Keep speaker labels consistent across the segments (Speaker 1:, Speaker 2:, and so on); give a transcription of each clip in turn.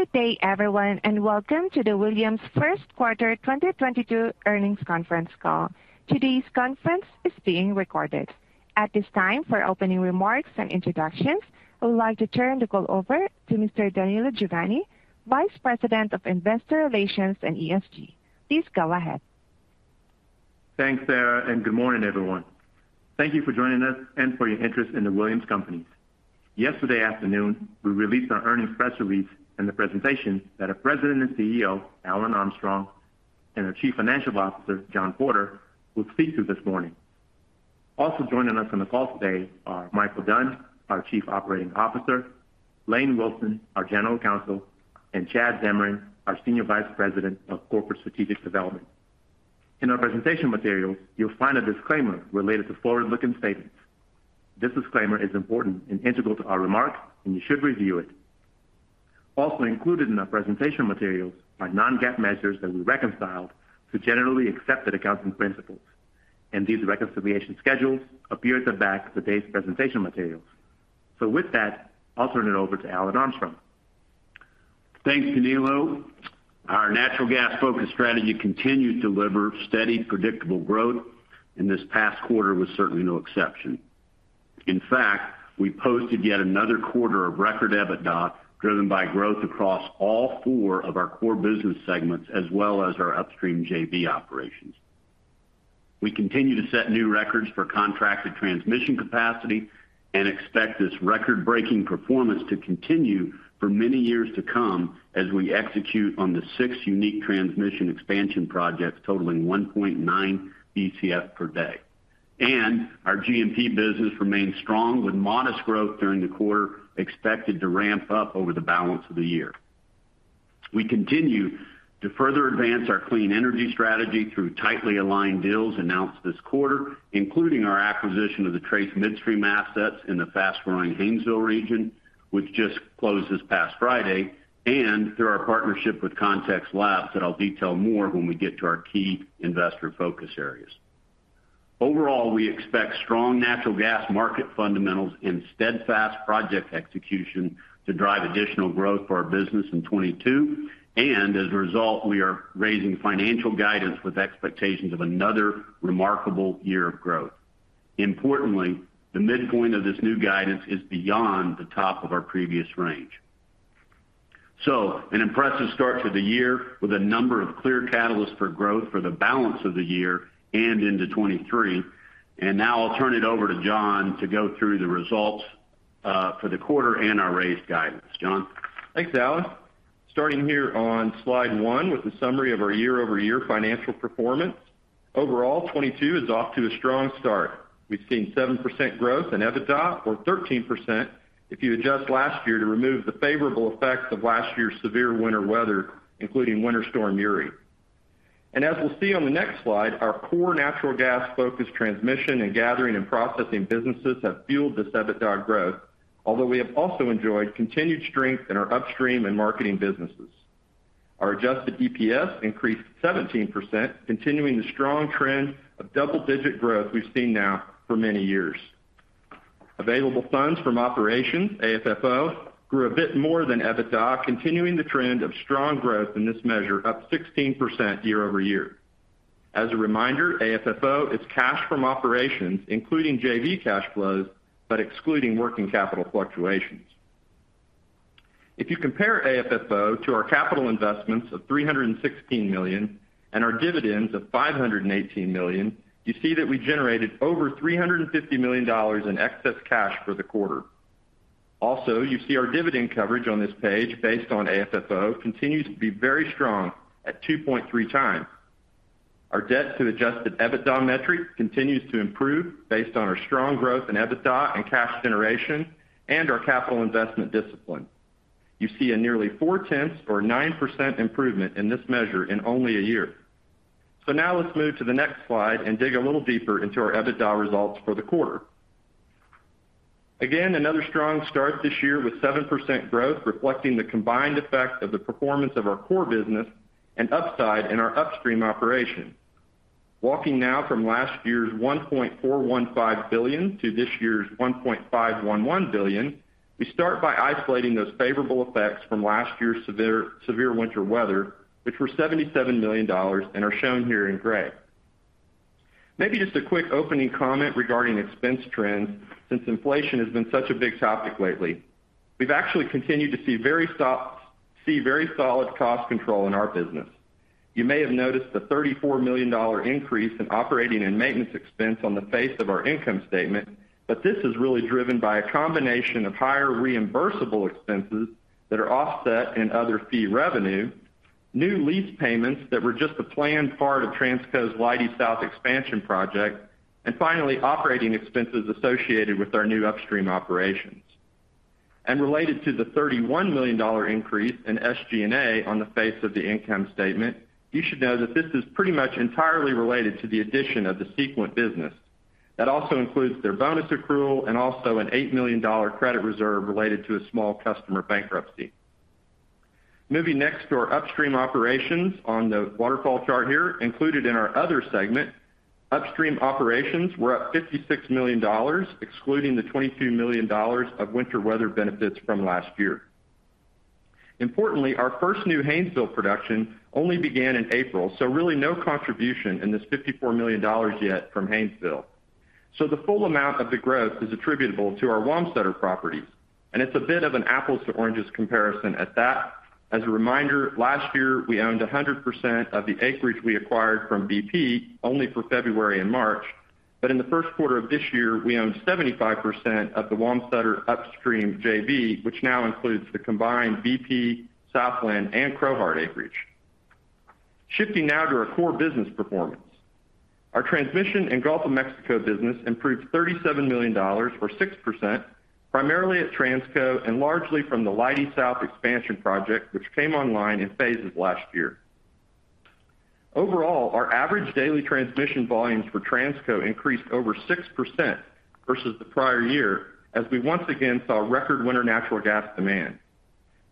Speaker 1: Good day, everyone, and welcome to the Williams First Quarter 2022 Earnings Conference Call. Today's conference is being recorded. At this time, for opening remarks and introductions, I would like to turn the call over to Mr. Danilo Juvane, Vice President of Investor Relations and ESG. Please go ahead.
Speaker 2: Thanks, Sarah, and good morning, everyone. Thank you for joining us and for your interest in The Williams Companies. Yesterday afternoon, we released our earnings press release and the presentation that our President and CEO, Alan Armstrong, and our Chief Financial Officer, John Porter, will speak to this morning. Also joining us on the call today are Michael Dunn, our Chief Operating Officer, Lane Wilson, our General Counsel, and Chad Zamarin, our Senior Vice President of Corporate Strategic Development. In our presentation materials, you'll find a disclaimer related to forward-looking statements. This disclaimer is important and integral to our remarks, and you should review it. Also included in our presentation materials are non-GAAP measures that we reconciled to generally accepted accounting principles. These reconciliation schedules appear at the back of today's presentation materials. With that, I'll turn it over to Alan Armstrong.
Speaker 3: Thanks, Danilo. Our natural gas-focused strategy continued to deliver steady, predictable growth, and this past quarter was certainly no exception. In fact, we posted yet another quarter of record EBITDA, driven by growth across all four of our core business segments as well as our upstream JV operations. We continue to set new records for contracted transmission capacity, and expect this record-breaking performance to continue for many years to come as we execute on the six unique transmission expansion projects totaling 1.9 bcf/day. Our GMP business remains strong with modest growth during the quarter expected to ramp up over the balance of the year. We continue to further advance our clean energy strategy through tightly aligned deals announced this quarter, including our acquisition of the Trace Midstream assets in the fast-growing Haynesville region, which just closed this past Friday, and through our partnership with Context Labs that I'll detail more when we get to our key investor focus areas. Overall, we expect strong natural gas market fundamentals and steadfast project execution to drive additional growth for our business in 2022. We are raising financial guidance with expectations of another remarkable year of growth. Importantly, the midpoint of this new guidance is beyond the top of our previous range. An impressive start to the year with a number of clear catalysts for growth for the balance of the year and into 2023. Now I'll turn it over to John to go through the results, for the quarter and our raised guidance. John?
Speaker 4: Thanks, Alan. Starting here on slide one with a summary of our year-over-year financial performance. Overall, 2022 is off to a strong start. We've seen 7% growth in EBITDA, or 13% if you adjust last year to remove the favorable effects of last year's severe winter weather, including Winter Storm Uri. As we'll see on the next slide, our core natural gas-focused transmission and gathering and processing businesses have fueled this EBITDA growth. Although we have also enjoyed continued strength in our upstream and marketing businesses. Our adjusted EPS increased 17%, continuing the strong trend of double-digit growth we've seen now for many years. Available funds from operations, AFFO, grew a bit more than EBITDA, continuing the trend of strong growth in this measure, up 16% year-over-year. As a reminder, AFFO is cash from operations, including JV cash flows, but excluding working capital fluctuations. If you compare AFFO to our capital investments of $316 million, and our dividends of $518 million, you see that we generated over $350 million in excess cash for the quarter. Also, you see our dividend coverage on this page based on AFFO continues to be very strong at 2.3x. Our debt to adjusted EBITDA metric continues to improve based on our strong growth in EBITDA and cash generation, and our capital investment discipline. You see a nearly 0.4, or 9% improvement in this measure in only a year. Now let's move to the next slide and dig a little deeper into our EBITDA results for the quarter. Again, another strong start this year with 7% growth, reflecting the combined effect of the performance of our core business and upside in our upstream operation. Walking now from last year's $1.415 billion to this year's $1.511 billion, we start by isolating those favorable effects from last year's severe winter weather, which were $77 million and are shown here in gray. Maybe just a quick opening comment regarding expense trends, since inflation has been such a big topic lately. We've actually continued to see very solid cost control in our business. You may have noticed the $34 million increase in operating and maintenance expense on the face of our income statement, but this is really driven by a combination of higher reimbursable expenses, that are offset in other fee revenue, new lease payments that were just a planned part of Transco's Leidy South expansion project, and finally, operating expenses associated with our new upstream operations. Related to the $31 million increase in SG&A on the face of the income statement, you should know that this is pretty much entirely related to the addition of the Sequent business. That also includes their bonus accrual and also an $8 million credit reserve related to a small customer bankruptcy. Moving next to our upstream operations on the waterfall chart here included in our other segment. Upstream operations were up $56 million, excluding the $22 million of winter weather benefits from last year. Importantly, our first new Haynesville production only began in April, so really no contribution in this $54 million yet from Haynesville. The full amount of the growth is attributable to our Wamsutter properties, and it's a bit of an apples to oranges comparison at that. As a reminder, last year, we owned 100% of the acreage we acquired from BP only for February and March. In the first quarter of this year, we own 75% of the Wamsutter upstream JV, which now includes the combined BP, Southland, and Crowheart acreage. Shifting now to our core business performance. Our transmission in Gulf of Mexico business improved $37 million or 6%, primarily at Transco and largely from the Leidy South expansion project, which came online in phases last year. Overall, our average daily transmission volumes for Transco increased over 6% versus the prior year as we once again saw record winter natural gas demand.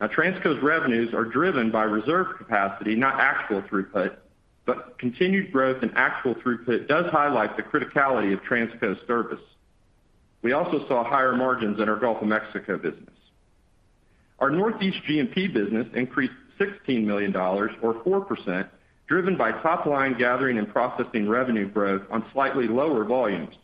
Speaker 4: Now, Transco's revenues are driven by reserve capacity, not actual throughput, but continued growth in actual throughput does highlight the criticality of Transco's service. We also saw higher margins in our Gulf of Mexico business. Our Northeast GMP business increased $16 million or 4%, driven by top-line gathering and processing revenue growth on slightly lower volumes.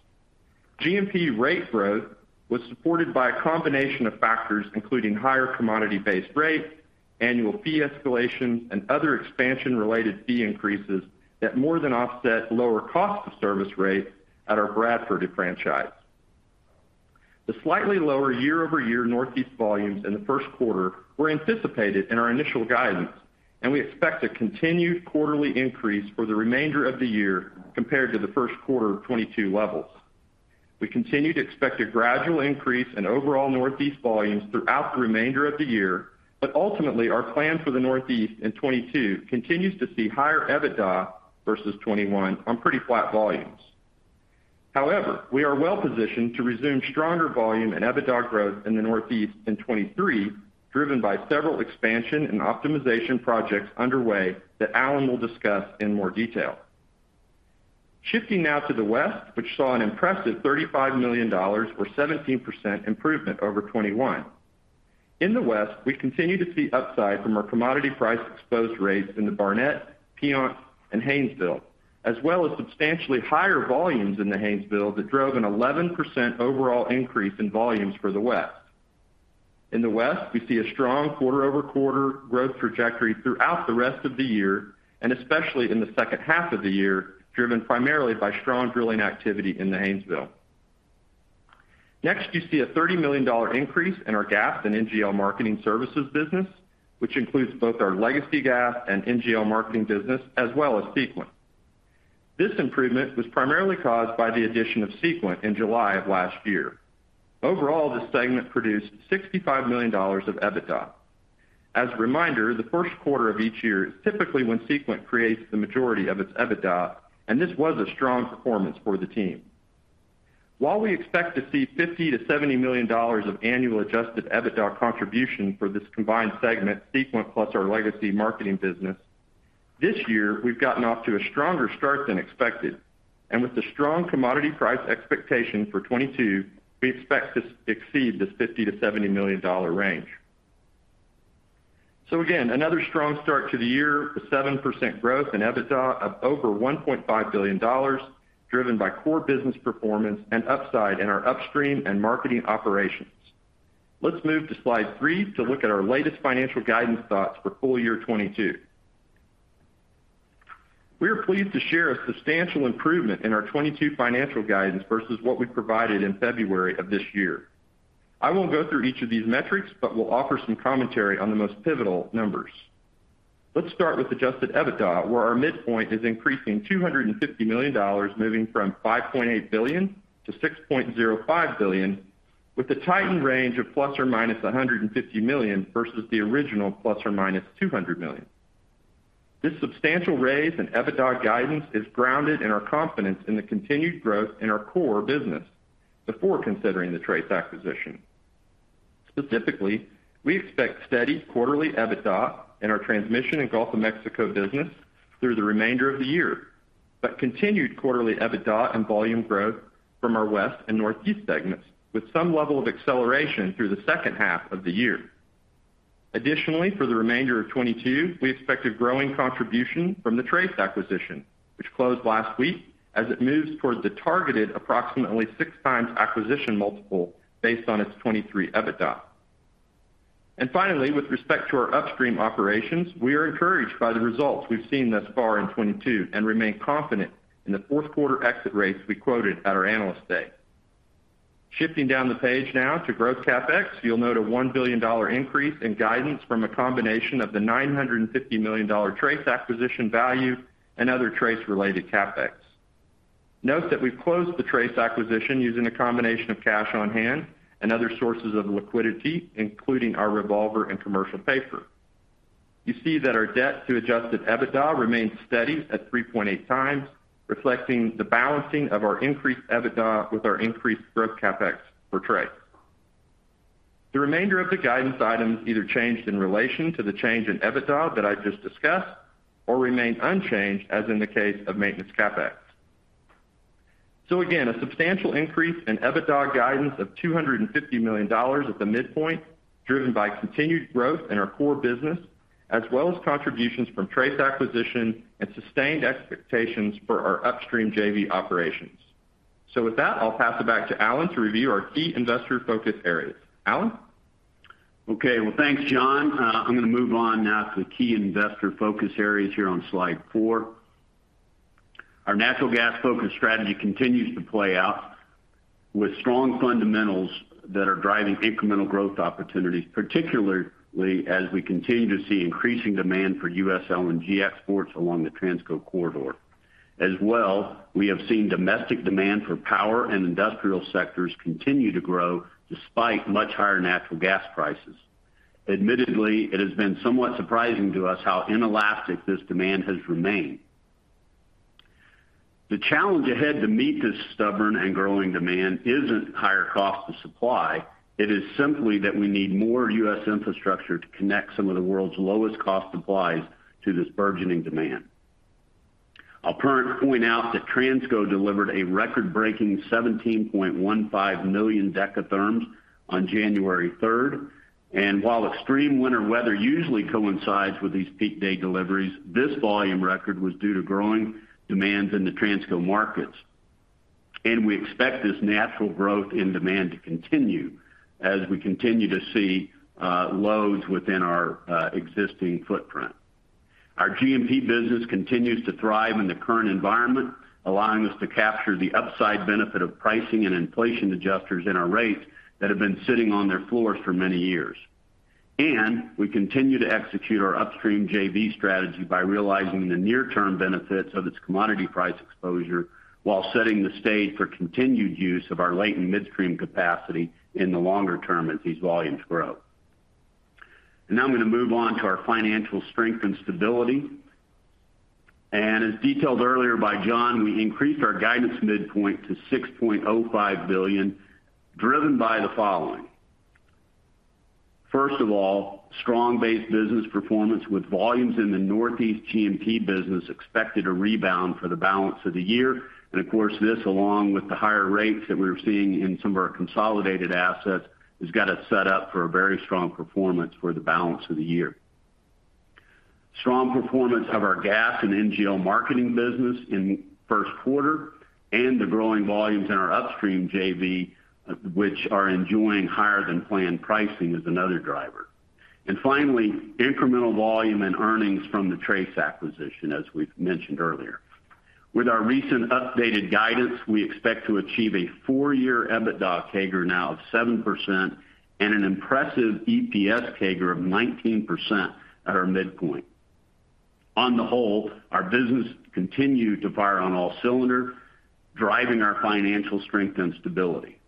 Speaker 4: GMP rate growth was supported by a combination of factors, including higher commodity-based rate, annual fee escalation, and other expansion-related fee increases that more than offset lower cost of service rate at our Bradford franchise. The slightly lower year-over-year Northeast volumes in the first quarter were anticipated in our initial guidance, and we expect a continued quarterly increase for the remainder of the year compared to the first quarter of 2022 levels. We continue to expect a gradual increase in overall Northeast volumes throughout the remainder of the year, but ultimately, our plan for the Northeast in 2022 continues to see higher EBITDA versus 2021 on pretty flat volumes. However, we are well-positioned to resume stronger volume and EBITDA growth in the Northeast in 2023, driven by several expansion and optimization projects underway that Alan will discuss in more detail. Shifting now to the West, which saw an impressive $35 million, or 17% improvement over 2021. In the West, we continue to see upside from our commodity price exposed rates in the Barnett, Piceance, and Haynesville, as well as substantially higher volumes in the Haynesville that drove an 11% overall increase in volumes for the West. In the West, we see a strong quarter-over-quarter growth trajectory throughout the rest of the year, and especially in the second half of the year, driven primarily by strong drilling activity in the Haynesville. Next, you see a $30 million increase in our gas and NGL marketing services business, which includes both our legacy gas and NGL marketing business, as well as Sequent. This improvement was primarily caused by the addition of Sequent in July of last year. Overall, this segment produced $65 million of EBITDA. As a reminder, the first quarter of each year is typically when Sequent creates the majority of its EBITDA, and this was a strong performance for the team. While we expect to see $50-$70 million of annual adjusted EBITDA contribution for this combined segment, Sequent plus our legacy marketing business, this year, we've gotten off to a stronger start than expected. With the strong commodity price expectation for 2022, we expect to exceed this $50-$70 million range. Again, another strong start to the year, a 7% growth in EBITDA of over $1.5 billion, driven by core business performance and upside in our upstream and marketing operations. Let's move to slide three to look at our latest financial guidance thoughts for full year 2022. We are pleased to share a substantial improvement in our 2022 financial guidance versus what we provided in February of this year. I won't go through each of these metrics, but we'll offer some commentary on the most pivotal numbers. Let's start with adjusted EBITDA, where our midpoint is increasing $250 million, moving from $5.8 billion-$6.05 billion, with a tightened range of ±150 million versus the original ±200 million. This substantial raise in EBITDA guidance is grounded in our confidence in the continued growth in our core business before considering the Trace acquisition. Specifically, we expect steady quarterly EBITDA in our transmission in Gulf of Mexico business through the remainder of the year, but continued quarterly EBITDA and volume growth from our West and Northeast segments, with some level of acceleration through the second half of the year. Additionally, for the remainder of 2022, we expect a growing contribution from the Trace acquisition, which closed last week as it moves towards the targeted approximately 6x acquisition multiple based on its 2023 EBITDA. Finally, with respect to our upstream operations, we are encouraged by the results we've seen thus far in 2022, and remain confident in the fourth quarter exit rates we quoted at our Analyst Day. Shifting down the page now to growth CapEx, you'll note a $1 billion increase in guidance from a combination of the $950 million Trace acquisition value and other Trace-related CapEx. Note that we've closed the Trace acquisition using a combination of cash on hand and other sources of liquidity, including our revolver and commercial paper. You see that our debt to adjusted EBITDA remains steady at 3.8 times, reflecting the balancing of our increased EBITDA with our increased growth CapEx for Trace. The remainder of the guidance items either changed in relation to the change in EBITDA that I just discussed or remained unchanged, as in the case of maintenance CapEx. Again, a substantial increase in EBITDA guidance of $250 million at the midpoint, driven by continued growth in our core business, as well as contributions from Trace acquisition and sustained expectations for our upstream JV operations. With that, I'll pass it back to Alan to review our key investor focus areas. Alan?
Speaker 3: Okay. Well, thanks, John. I'm gonna move on now to the key investor focus areas here on slide four. Our natural gas focus strategy continues to play out, with strong fundamentals that are driving incremental growth opportunities, particularly as we continue to see increasing demand for U.S. LNG exports along the Transco corridor. As well, we have seen domestic demand for power and industrial sectors continue to grow despite much higher natural gas prices. Admittedly, it has been somewhat surprising to us how inelastic this demand has remained. The challenge ahead to meet this stubborn and growing demand isn't higher cost to supply. It is simply that we need more U.S. infrastructure to connect some of the world's lowest cost supplies to this burgeoning demand. I'll point out that Transco delivered a record-breaking 17.15 million decatherms on January third. While extreme winter weather usually coincides with these peak day deliveries, this volume record was due to growing demands in the Transco markets. We expect this natural growth in demand to continue as we continue to see loads within our existing footprint. Our GMP business continues to thrive in the current environment, allowing us to capture the upside benefit of pricing and inflation adjusters in our rates, that have been sitting on their floors for many years. We continue to execute our upstream JV strategy by realizing the near-term benefits of its commodity price exposure, while setting the stage for continued use of our late and midstream capacity in the longer term as these volumes grow. Now, I'm gonna move on to our financial strength and stability. As detailed earlier by John, we increased our guidance midpoint to $6.05 billion, driven by the following. First of all, strong base business performance with volumes in the Northeast GMP business expected to rebound for the balance of the year. Of course, this, along with the higher rates that we're seeing in some of our consolidated assets, has got us set up for a very strong performance for the balance of the year. Strong performance of our gas and NGL marketing business in first quarter and the growing volumes in our upstream JV, which are enjoying higher than planned pricing is another driver. Finally, incremental volume and earnings from the Trace acquisition, as we've mentioned earlier. With our recent updated guidance, we expect to achieve a four-year EBITDA CAGR now of 7% and an impressive EPS CAGR of 19% at our midpoint. On the whole, our business continued to fire on all cylinders, driving our financial strength and stability.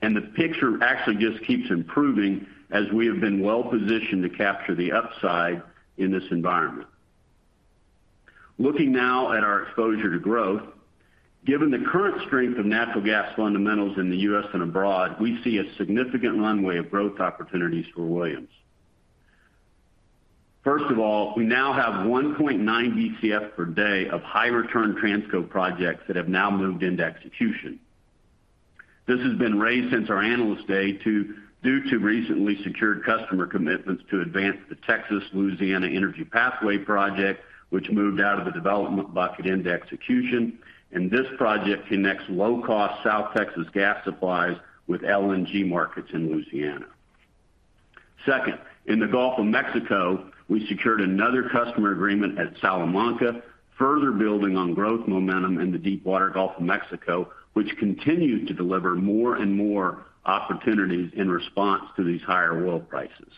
Speaker 3: The picture actually just keeps improving as we have been well-positioned to capture the upside in this environment. Looking now at our exposure to growth. Given the current strength of natural gas fundamentals in the U.S. and abroad, we see a significant runway of growth opportunities for Williams. First of all, we now have 1.9 bcf/day of high return Transco projects that have now moved into execution. This has been raised since our Analyst Day due to recently secured customer commitments to advance the Texas to Louisiana Energy Pathway project, which moved out of the development bucket into execution. This project connects low-cost South Texas gas supplies with LNG markets in Louisiana. Second, in the Gulf of Mexico, we secured another customer agreement at Salamanca, further building on growth momentum in the Deep Water Gulf of Mexico, which continued to deliver more and more opportunities in response to these higher oil prices.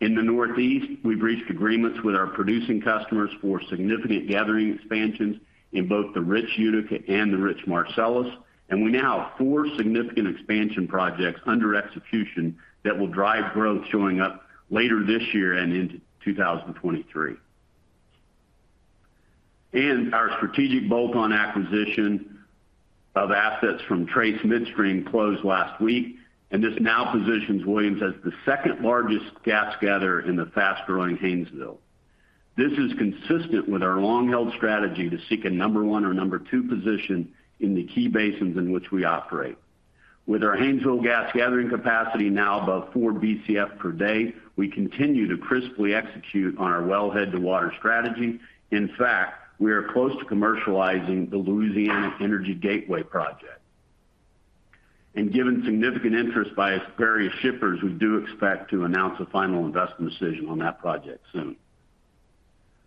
Speaker 3: In the Northeast, we've reached agreements with our producing customers for significant gathering expansions in both the Rich Utica and the Rich Marcellus, and we now have four significant expansion projects under execution that will drive growth showing up later this year and into 2023. Our strategic bolt-on acquisition of assets from Trace Midstream closed last week, and this now positions Williams as the second-largest gas gatherer in the fast-growing Haynesville. This is consistent with our long-held strategy to seek a number one or number two position in the key basins in which we operate. With our Haynesville gas gathering capacity now above 4 BCF per day, we continue to crisply execute on our wellhead to water strategy. In fact, we are close to commercializing the Louisiana Energy Gateway project. Given significant interest by its various shippers, we do expect to announce a final investment decision on that project soon.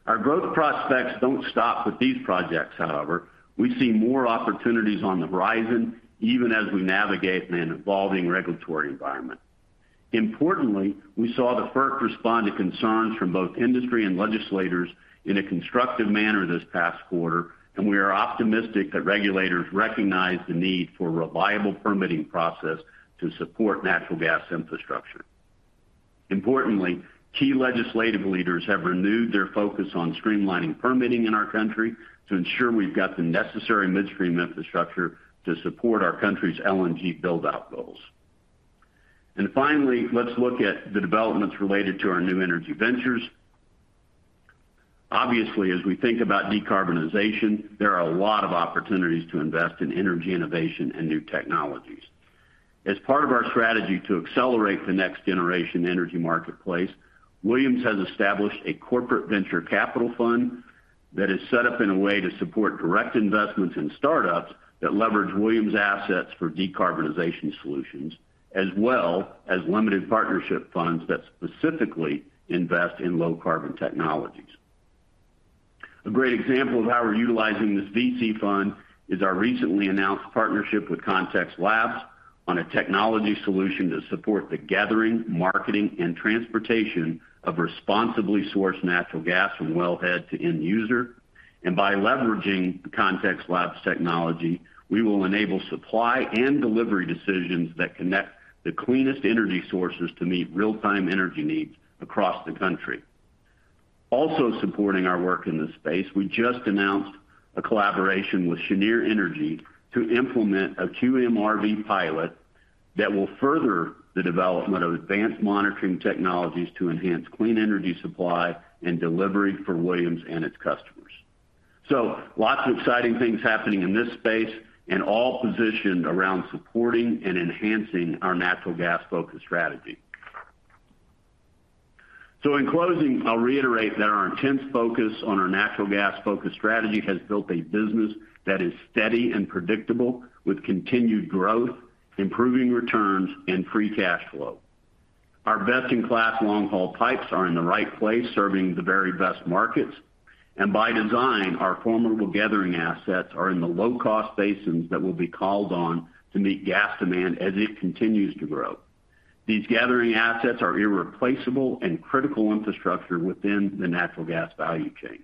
Speaker 3: Our growth prospects don't stop with these projects, however. We see more opportunities on the horizon even as we navigate an evolving regulatory environment. Importantly, we saw the FERC respond to concerns from both industry and legislators in a constructive manner this past quarter, and we are optimistic that regulators recognize the need for reliable permitting process, to support natural gas infrastructure. Importantly, key legislative leaders have renewed their focus on streamlining permitting in our country to ensure we've got the necessary midstream infrastructure to support our country's LNG build-out goals. Finally, let's look at the developments related to our new energy ventures. Obviously, as we think about decarbonization, there are a lot of opportunities to invest in energy innovation and new technologies. As part of our strategy to accelerate the next-generation energy marketplace, Williams has established a corporate venture capital fund, that is set up in a way to support direct investments in startups that leverage Williams' assets for decarbonization solutions, as well as limited partnership funds that specifically invest in low-carbon technologies. A great example of how we're utilizing this VC fund is our recently announced partnership with Context Labs on a technology solution to support the gathering, marketing, and transportation of responsibly sourced natural gas from wellhead to end user. By leveraging Context Labs technology, we will enable supply and delivery decisions that connect the cleanest energy sources to meet real-time energy needs across the country. Also supporting our work in this space, we just announced a collaboration with Cheniere Energy to implement a QMRV pilot that will further the development of advanced monitoring technologies to enhance clean energy supply and delivery for Williams and its customers. Lots of exciting things happening in this space and all positioned around supporting and enhancing our natural gas-focused strategy. In closing, I'll reiterate that our intense focus on our natural gas-focused strategy has built a business that is steady and predictable with continued growth, improving returns, and free cash flow. Our best-in-class long-haul pipes are in the right place, serving the very best markets. By design, our formidable gathering assets are in the low-cost basins that will be called on to meet gas demand as it continues to grow. These gathering assets are irreplaceable and critical infrastructure within the natural gas value chain.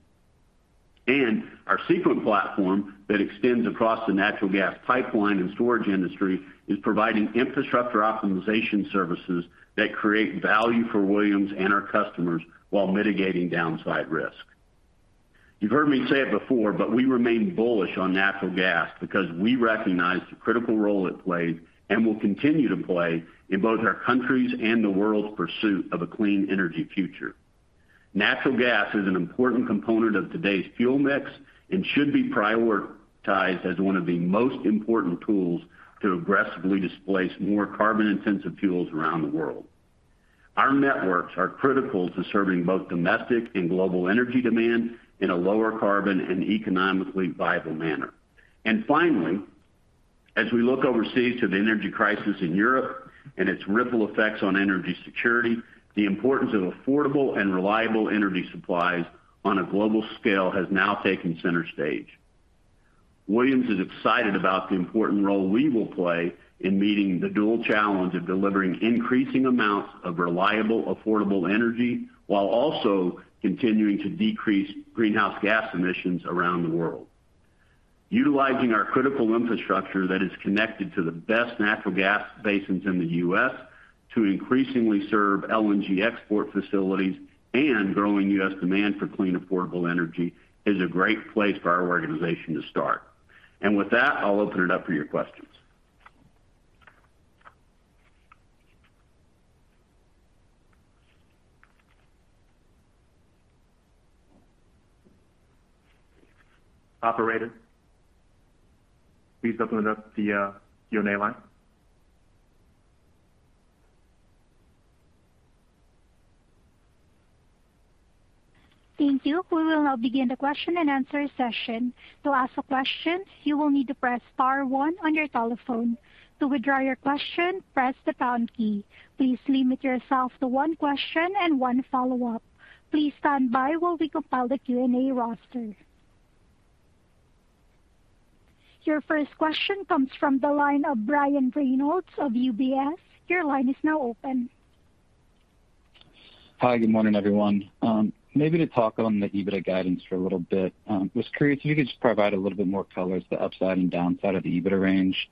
Speaker 3: Our Sequent platform that extends across the natural gas pipeline and storage industry is providing infrastructure optimization services that create value for Williams and our customers while mitigating downside risk. You've heard me say it before, but we remain bullish on natural gas because we recognize the critical role it plays and will continue to play in both our country's and the world's pursuit of a clean energy future. Natural gas is an important component of today's fuel mix, and should be prioritized as one of the most important tools to aggressively displace more carbon-intensive fuels around the world. Our networks are critical to serving both domestic and global energy demand in a lower carbon and economically viable manner. Finally, as we look overseas to the energy crisis in Europe and its ripple effects on energy security, the importance of affordable and reliable energy supplies on a global scale has now taken center stage. Williams is excited about the important role we will play in meeting the dual challenge of delivering increasing amounts of reliable, affordable energy while also continuing to decrease greenhouse gas emissions around the world. Utilizing our critical infrastructure that is connected to the best natural gas basins in the US to increasingly serve LNG export facilities and growing US demand for clean, affordable energy is a great place for our organization to start. With that, I'll open it up for your questions. Operator, please open up the Q&A line.
Speaker 1: Thank you. We will now begin the question-and-answer session. To ask a question, you will need to press star one on your telephone. To withdraw your question, press the pound key. Please limit yourself to one question and one follow-up. Please stand by while we compile the Q&A roster. Your first question comes from the line of Brian Reynolds of UBS. Your line is now open.
Speaker 5: Hi, good morning, everyone. Maybe to talk on the EBITDA guidance for a little bit. Was curious if you could just provide a little bit more color to the upside and downside of the EBITDA range.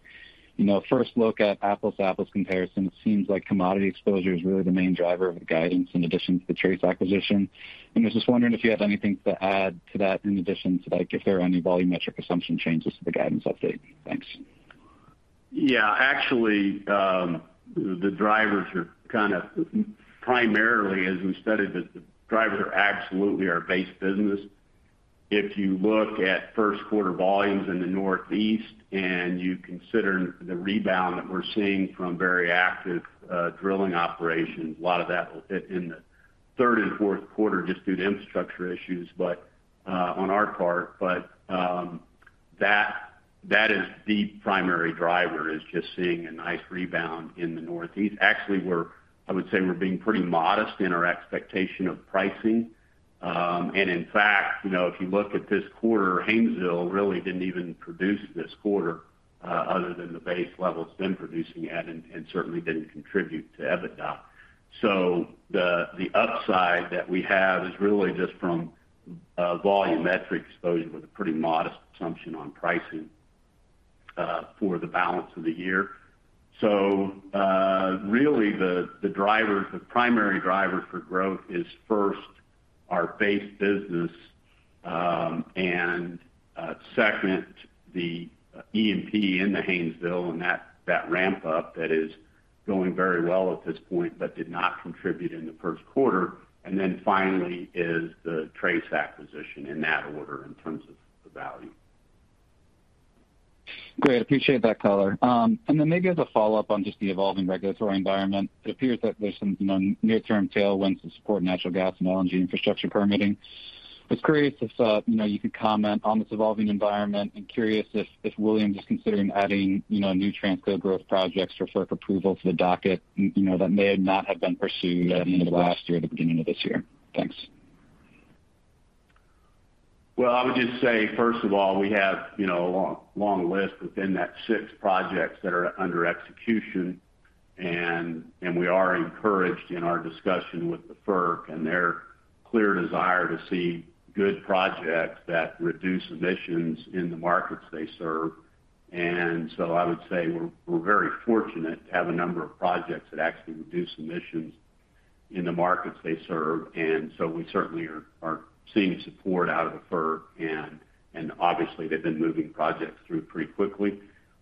Speaker 5: You know, first look at apples-to-apples comparison, it seems like commodity exposure is really the main driver of the guidance in addition to the Trace acquisition. I was just wondering if you had anything to add to that in addition to, like, if there are any volumetric assumption changes to the guidance update. Thanks.
Speaker 3: Yeah, actually, the drivers are primarily, as we studied it, the drivers are absolutely our base business. If you look at first quarter volumes in the Northeast, and you consider the rebound that we're seeing from very active drilling operations, a lot of that will hit in the third and fourth quarter just due to infrastructure issues, but on our part. That is the primary driver, is just seeing a nice rebound in the Northeast. Actually, I would say we're being pretty modest in our expectation of pricing. In fact, you know, if you look at this quarter, Haynesville really didn't even produce this quarter, other than the base level it's been producing at and certainly didn't contribute to EBITDA. The upside that we have is really just from volumetric exposure with a pretty modest assumption on pricing for the balance of the year. Really the drivers, the primary driver for growth is first our base business, and second, the EMP in the Haynesville and that ramp up that is going very well at this point, but did not contribute in the first quarter. Then finally is the Trace acquisition in that order in terms of the value.
Speaker 5: Great. Appreciate that color. Maybe as a follow-up on just the evolving regulatory environment, it appears that there's some, you know, near-term tailwinds to support natural gas and LNG infrastructure permitting. I was curious if, you know, you could comment on this evolving environment and curious if Williams is considering adding, you know, new Transco growth projects or FERC approval to the docket, you know, that may not have been pursued at the end of last year, the beginning of this year? Thanks.
Speaker 3: Well, I would just say, first of all, we have, you know, a long, long list within those six projects that are under execution. We are encouraged in our discussion with the FERC, and their clear desire to see good projects that reduce emissions in the markets they serve. I would say we're very fortunate to have a number of projects that actually reduce emissions in the markets they serve. We certainly are seeing support out of the FERC, and obviously they've been moving projects through pretty quickly.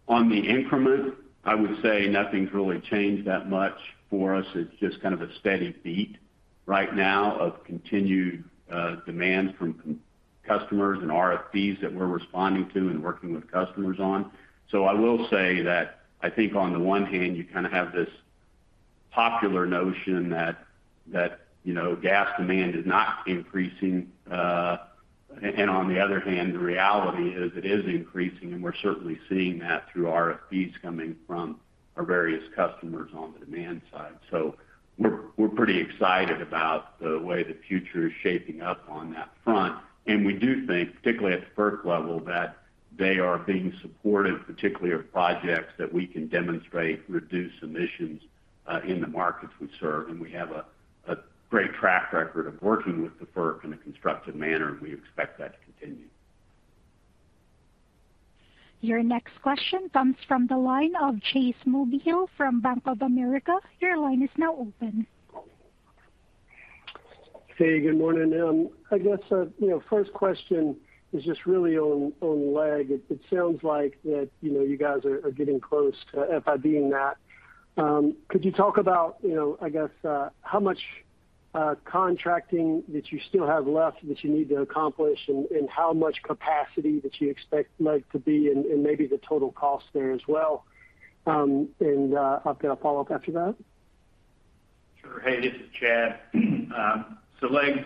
Speaker 3: On the increment, I would say nothing's really changed that much for us. It's just kind of a steady beat right now of continued demand from customers and RFPs that we're responding to and working with customers on. I will say that I think on the one hand, you kind of have this popular notion that that, you know, gas demand is not increasing. On the other hand, the reality is it is increasing, and we're certainly seeing that through RFPs coming from our various customers on the demand side. We're pretty excited about the way the future is shaping up on that front. We do think, particularly at the FERC level, that they are being supportive, particularly of projects that we can demonstrate reduce emissions in the markets we serve. We have a great track record of working with the FERC in a constructive manner, and we expect that to continue.
Speaker 1: Your next question comes from the line of Chase Mulvehill from Bank of America. Your line is now open.
Speaker 6: Hey, good morning. I guess, you know, first question is just really on Leg. It sounds like that, you know, you guys are getting close to FIDing that. Could you talk about, you know, I guess, how much contracting that you still have left that you need to accomplish and how much capacity that you expect Leg to be and maybe the total cost there as well? I've got a follow-up after that.
Speaker 7: Sure. Hey, this is Chad. LEG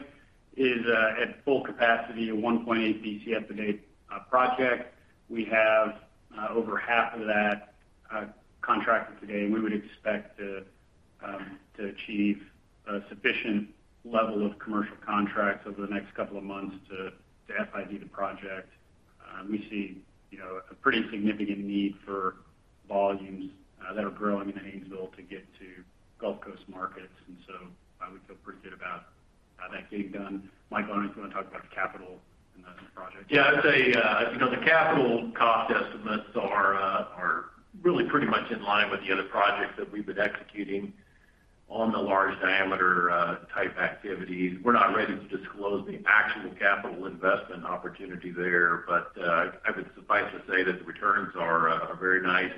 Speaker 7: is at full capacity, a 1.8 BCF a day project. We have over half of that contracted today, and we would expect to achieve a sufficient level of commercial contracts over the next couple of months to FID the project. We see, you know, a pretty significant need for volumes that are growing in Haynesville to get to Gulf Coast markets. I would feel pretty good about that getting done. Michael, I don't know if you want to talk about the capital in the project.
Speaker 8: Yeah, I'd say, you know, the capital cost estimates are really pretty much in line with the other projects that we've been executing on the large diameter type activities. We're not ready to disclose the actual capital investment opportunity there. I would suffice to say that the returns are very nice.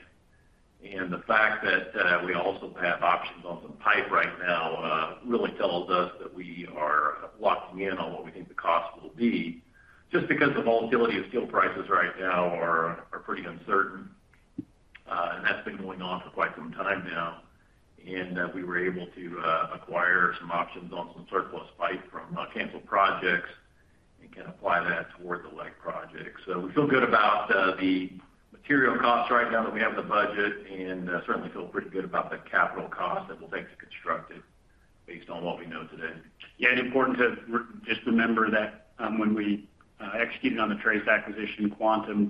Speaker 8: The fact that we also have options on some pipe right now really tells us that we are locking in on what we think the cost will be, just because the volatility of steel prices right now are pretty uncertain. That's been going on for quite some time now. We were able to acquire some options on some surplus pipe from canceled projects and can apply that toward the Leg project. We feel good about the material costs right now that we have in the budget and certainly feel pretty good about the capital costs that we'll take to construct it based on what we know today.
Speaker 3: Yeah, important to just remember that when we executed on the Trace acquisition, Quantum,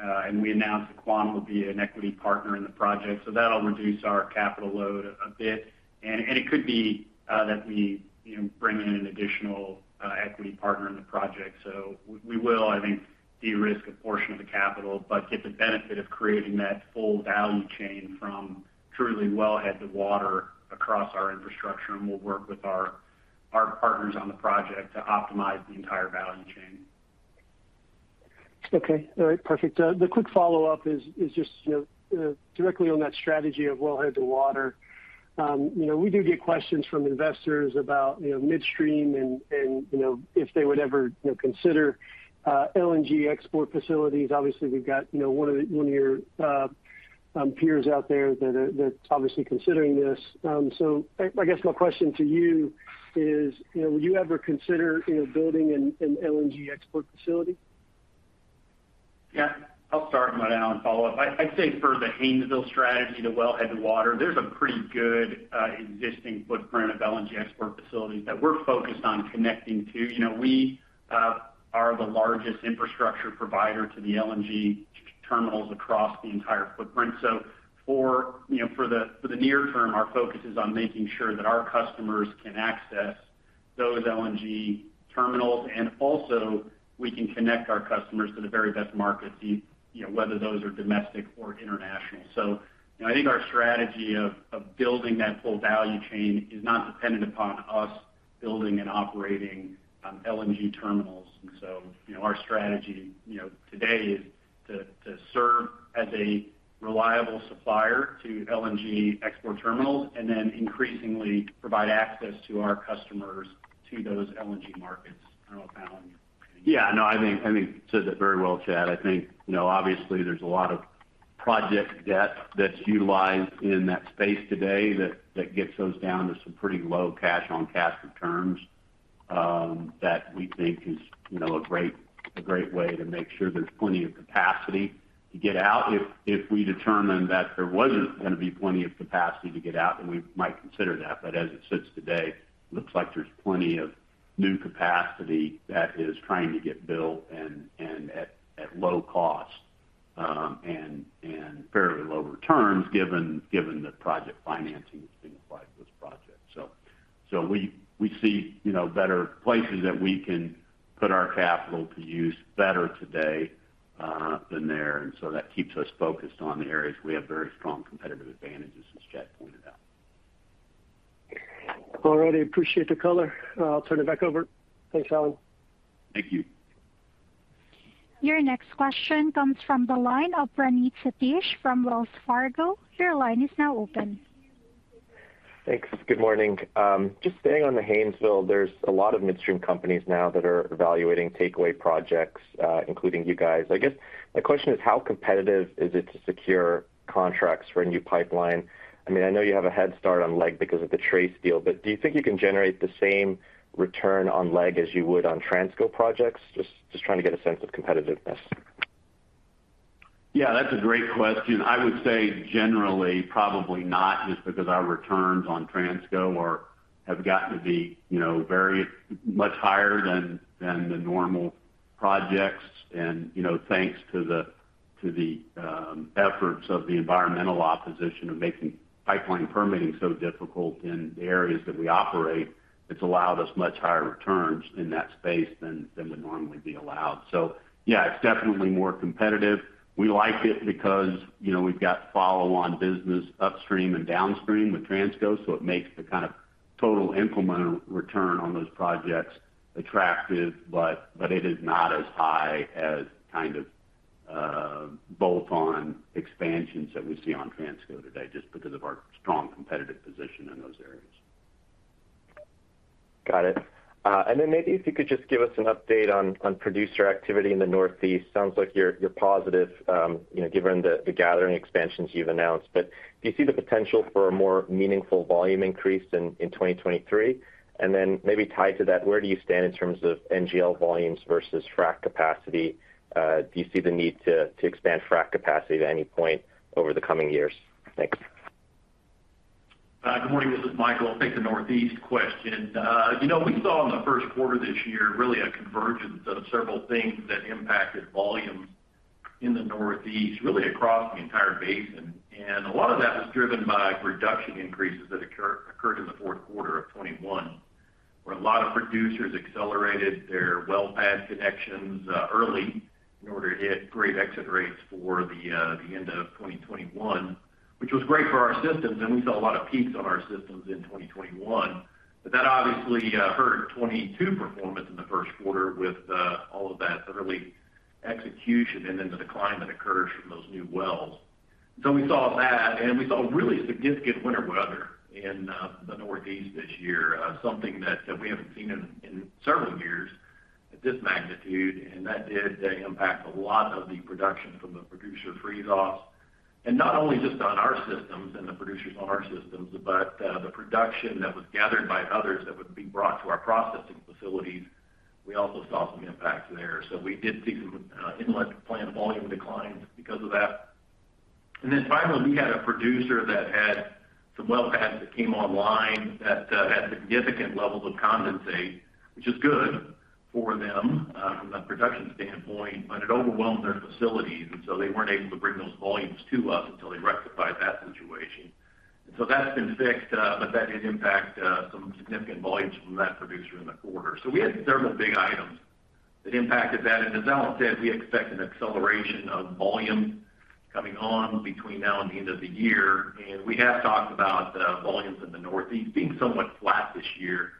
Speaker 3: and we announced that Quantum will be an equity partner in the project. That'll reduce our capital load a bit. It could be that we, you know, bring in an additional equity partner in the project. We will, I think, de-risk a portion of the capital, but get the benefit of creating that full value chain from the wellhead to market across our infrastructure. We'll work with our partners on the project to optimize the entire value chain.
Speaker 6: Okay. All right, perfect. The quick follow-up is just, you know, directly on that strategy of wellhead to water. You know, we do get questions from investors about, you know, midstream and, you know, if they would ever, you know, consider LNG export facilities. Obviously, we've got, you know, one of your peers out there that's obviously considering this. I guess my question to you is, you know, would you ever consider, you know, building an LNG export facility?
Speaker 7: Yeah, I'll start and let Alan follow up. I'd say for the Haynesville strategy, the wellhead to water, there's a pretty good existing footprint of LNG export facilities that we're focused on connecting to. You know, we are the largest infrastructure provider to the LNG terminals across the entire footprint. For the near term, our focus is on making sure that our customers can access Those LNG terminals, and also we can connect our customers to the very best markets, whether those are domestic or international. I think our strategy of building that full value chain is not dependent upon us building and operating LNG terminals. You know, our strategy, you know, today is to serve as a reliable supplier to LNG export terminals and then increasingly provide access to our customers to those LNG markets. I don't know if Alan.
Speaker 3: Yeah, no, I think you said that very well, Chad. I think, you know, obviously there's a lot of project debt that's utilized in that space today that gets those down to some pretty low cash-on-cash returns that we think is, you know, a great way to make sure there's plenty of capacity to get out. If we determine that there wasn't going to be plenty of capacity to get out, then we might consider that. As it sits today, it looks like there's plenty of new capacity that is trying to get built and at low cost and fairly low returns given the project financing that's been applied to this project. We see, you know, better places that we can put our capital to use better today than there. That keeps us focused on the areas we have very strong competitive advantages, as Chad pointed out.
Speaker 6: All righty. Appreciate the color. I'll turn it back over. Thanks, Alan.
Speaker 3: Thank you.
Speaker 1: Your next question comes from the line of Praneeth Satish from Wells Fargo. Your line is now open.
Speaker 9: Thanks. Good morning. Just staying on the Haynesville, there's a lot of midstream companies now that are evaluating takeaway projects, including you guys. I guess my question is, how competitive is it to secure contracts for a new pipeline? I mean, I know you have a head start on LEG because of the Trace deal, but do you think you can generate the same return on LEG as you would on Transco projects? Just trying to get a sense of competitiveness.
Speaker 3: Yeah, that's a great question. I would say generally, probably not just because our returns on Transco have gotten to be, you know, much higher than the normal projects. You know, thanks to the efforts of the environmental opposition of making pipeline permitting so difficult in the areas that we operate, it's allowed us much higher returns in that space than would normally be allowed. Yeah, it's definitely more competitive. We like it because, you know, we've got follow-on business upstream and downstream with Transco, so it makes the kind of total investment return on those projects attractive. It is not as high as kind of those on expansions that we see on Transco today just because of our strong competitive position in those areas.
Speaker 9: Got it. Maybe if you could just give us an update on producer activity in the Northeast. Sounds like you're positive, you know, given the gathering expansions you've announced. Do you see the potential for a more meaningful volume increase in 2023? Maybe tied to that, where do you stand in terms of NGL volumes versus frack capacity? Do you see the need to expand frack capacity at any point over the coming years? Thanks.
Speaker 8: Good morning, this is Michael. I'll take the Northeast question. You know, we saw in the first quarter this year really a convergence of several things that impacted volume in the Northeast, really across the entire basin. A lot of that was driven by production increases that occurred in the fourth quarter of 2021, where a lot of producers accelerated their well pad connections early in order to hit great exit rates for the end of 2021, which was great for our systems. We saw a lot of peaks on our systems in 2021. That obviously hurt 2022 performance in the first quarter with all of that early execution and then the decline that occurs from those new wells. We saw that and we saw really significant winter weather in the Northeast this year, something that we haven't seen in several years at this magnitude. That did impact a lot of the production from the producer freeze-offs. Not only just on our systems and the producers on our systems, but the production that was gathered by others that would be brought to our processing facilities, we also saw some impact there. We did see some inlet plant volume declines because of that. Then finally, we had a producer that had some well pads that came online that had significant levels of condensate, which is good for them from a production standpoint, but it overwhelmed their facilities, and so they weren't able to bring those volumes to us until they rectified that situation. That's been fixed, but that did impact some significant volumes from that producer in the quarter. We had several big items that impacted that. As Alan said, we expect an acceleration of volume coming on between now and the end of the year. We have talked about volumes in the Northeast being somewhat flat this year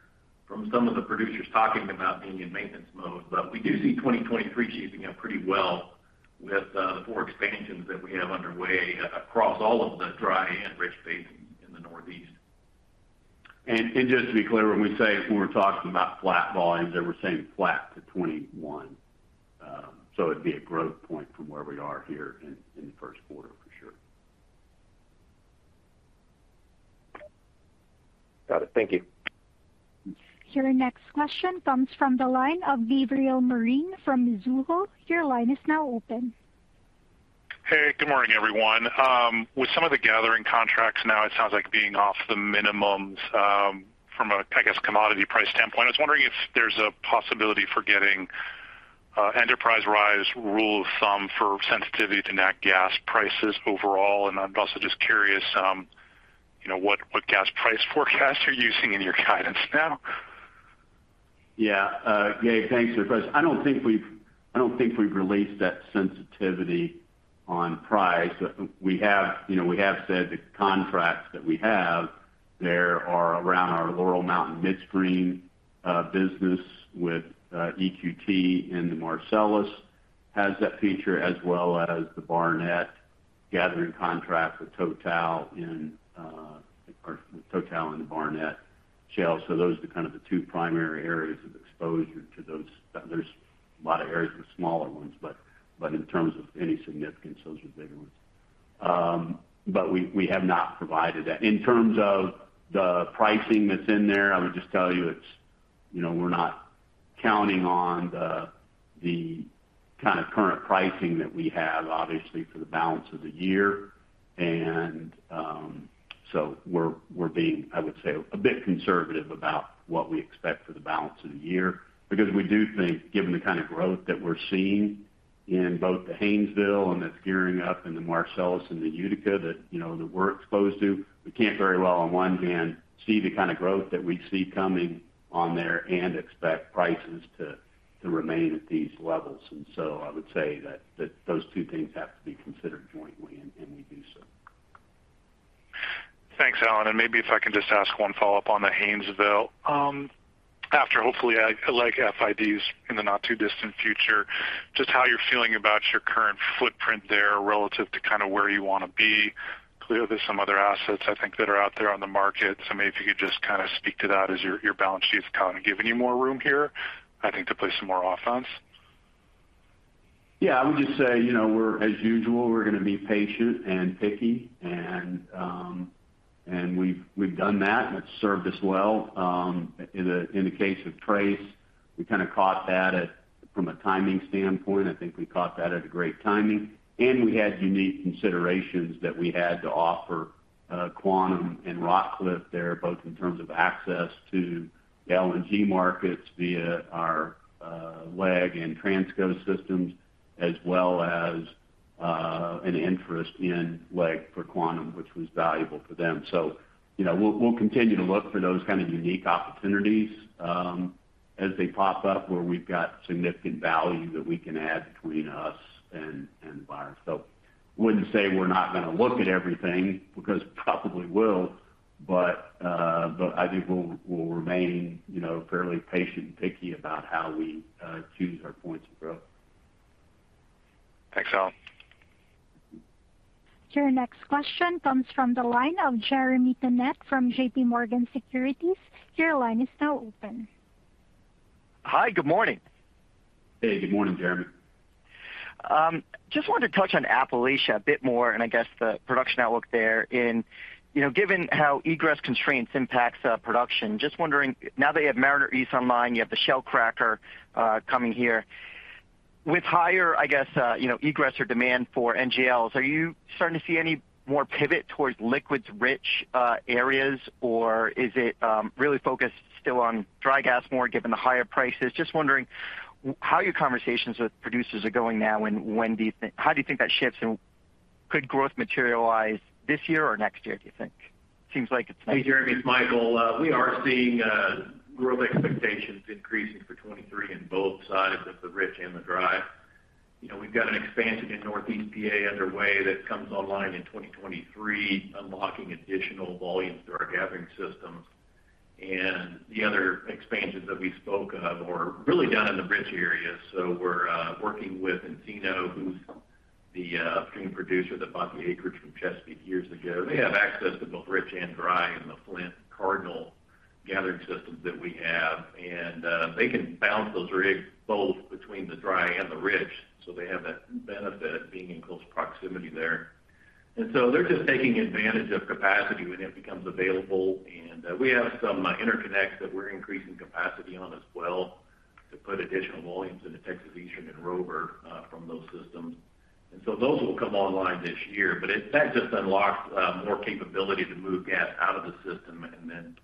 Speaker 8: from some of the producers talking about being in maintenance mode. We do see 2023 shaping up pretty well with the four expansions that we have underway across all of the dry and rich basins in the Northeast.
Speaker 3: Just to be clear, when we're talking about flat volumes that we're saying flat to 2021. It'd be a growth point from where we are here in the first quarter for sure.
Speaker 9: Got it. Thank you.
Speaker 1: Your next question comes from the line of Gabriel Moreen from Mizuho. Your line is now open.
Speaker 10: Hey, good morning, everyone. With some of the gathering contracts now, it sounds like being off the minimums, from a, I guess, commodity price standpoint, I was wondering if there's a possibility for getting a enterprise-rise rule of thumb for sensitivity to NAT gas prices overall. I'm also just curious, you know, what gas price forecast you're using in your guidance stamp.
Speaker 3: Yeah. Gabe, thanks for the question. I don't think we've released that sensitivity on price. We have, you know, said the contracts that we have, there are around our Laurel Mountain Midstream business with EQT in the Marcellus has that feature as well as the Barnett gathering contract with Total in or Total and the Barnett Shale. Those are kind of the two primary areas of exposure to those. There's a lot of areas with smaller ones, but in terms of any significance, those are bigger ones. We have not provided that. In terms of the pricing that's in there, I would just tell you it's, you know, we're not counting on the kind of current pricing that we have, obviously, for the balance of the year. We're being, I would say, a bit conservative about what we expect for the balance of the year. Because we do think, given the kind of growth that we're seeing in both the Haynesville and that's gearing up in the Marcellus and the Utica that, you know, that we're exposed to, we can't very well on one hand see the kind of growth that we see coming on there and expect prices to remain at these levels. I would say that those two things have to be considered jointly, and we do so.
Speaker 10: Thanks, Alan. Maybe if I can just ask one follow-up on the Haynesville. After hopefully like FIDs in the not too distant future, just how you're feeling about your current footprint there relative to kind of where you want to be. Clearly, there's some other assets I think that are out there on the market. Maybe if you could just kind of speak to that as your balance sheet's kind of giving you more room here, I think, to play some more offense.
Speaker 3: Yeah. I would just say, you know, as usual, we're going to be patient and picky. We've done that, and it's served us well. In the case of Trace, we kind of caught that from a timing standpoint. I think we caught that at a great timing. We had unique considerations that we had to offer Quantum and Rockcliff there, both in terms of access to the LNG markets via our LNG and Transco systems, as well as an interest in LNG for Quantum, which was valuable for them. You know, we'll continue to look for those kind of unique opportunities as they pop up where we've got significant value that we can add between us and the buyer. I wouldn't say we're not going to look at everything because probably will, but I think we'll remain, you know, fairly patient and picky about how we choose our points of growth.
Speaker 10: Thanks, Alan.
Speaker 1: Your next question comes from the line of Jeremy Tonet from JPMorgan Securities. Your line is now open.
Speaker 11: Hi. Good morning.
Speaker 3: Hey, good morning, Jeremy.
Speaker 11: Just wanted to touch on Appalachia a bit more and I guess the production outlook there in, you know, given how egress constraints impacts production. Just wondering now that you have Mariner East online, you have the Shell cracker coming here. With higher, I guess, you know, egress or demand for NGLs, are you starting to see any more pivot towards liquids rich areas, or is it really focused still on dry gas more given the higher prices? Just wondering how your conversations with producers are going now and how do you think that shifts? Could growth materialize this year or next year, do you think? Seems like it's next year.
Speaker 8: Hey, Jeremy. It's Michael. We are seeing growth expectations increasing for 2023 in both sides of the rich and the dry. You know, we've got an expansion in Northeast PA underway that comes online in 2023, unlocking additional volumes through our gathering systems. The other expansions that we spoke of are really down in the rich area. We're working with Encino, who's the upstream producer that bought the acreage from Chesapeake years ago. They have access to both rich and dry in the Flint Cardinal gathering systems that we have. They can bounce those rigs both between the dry and the rich, so they have that benefit of being in close proximity there. They're just taking advantage of capacity when it becomes available. We have some interconnects that we're increasing capacity on as well to put additional volumes into Texas Eastern and Rover from those systems. Those will come online this year. That just unlocks more capability to move gas out of the system and then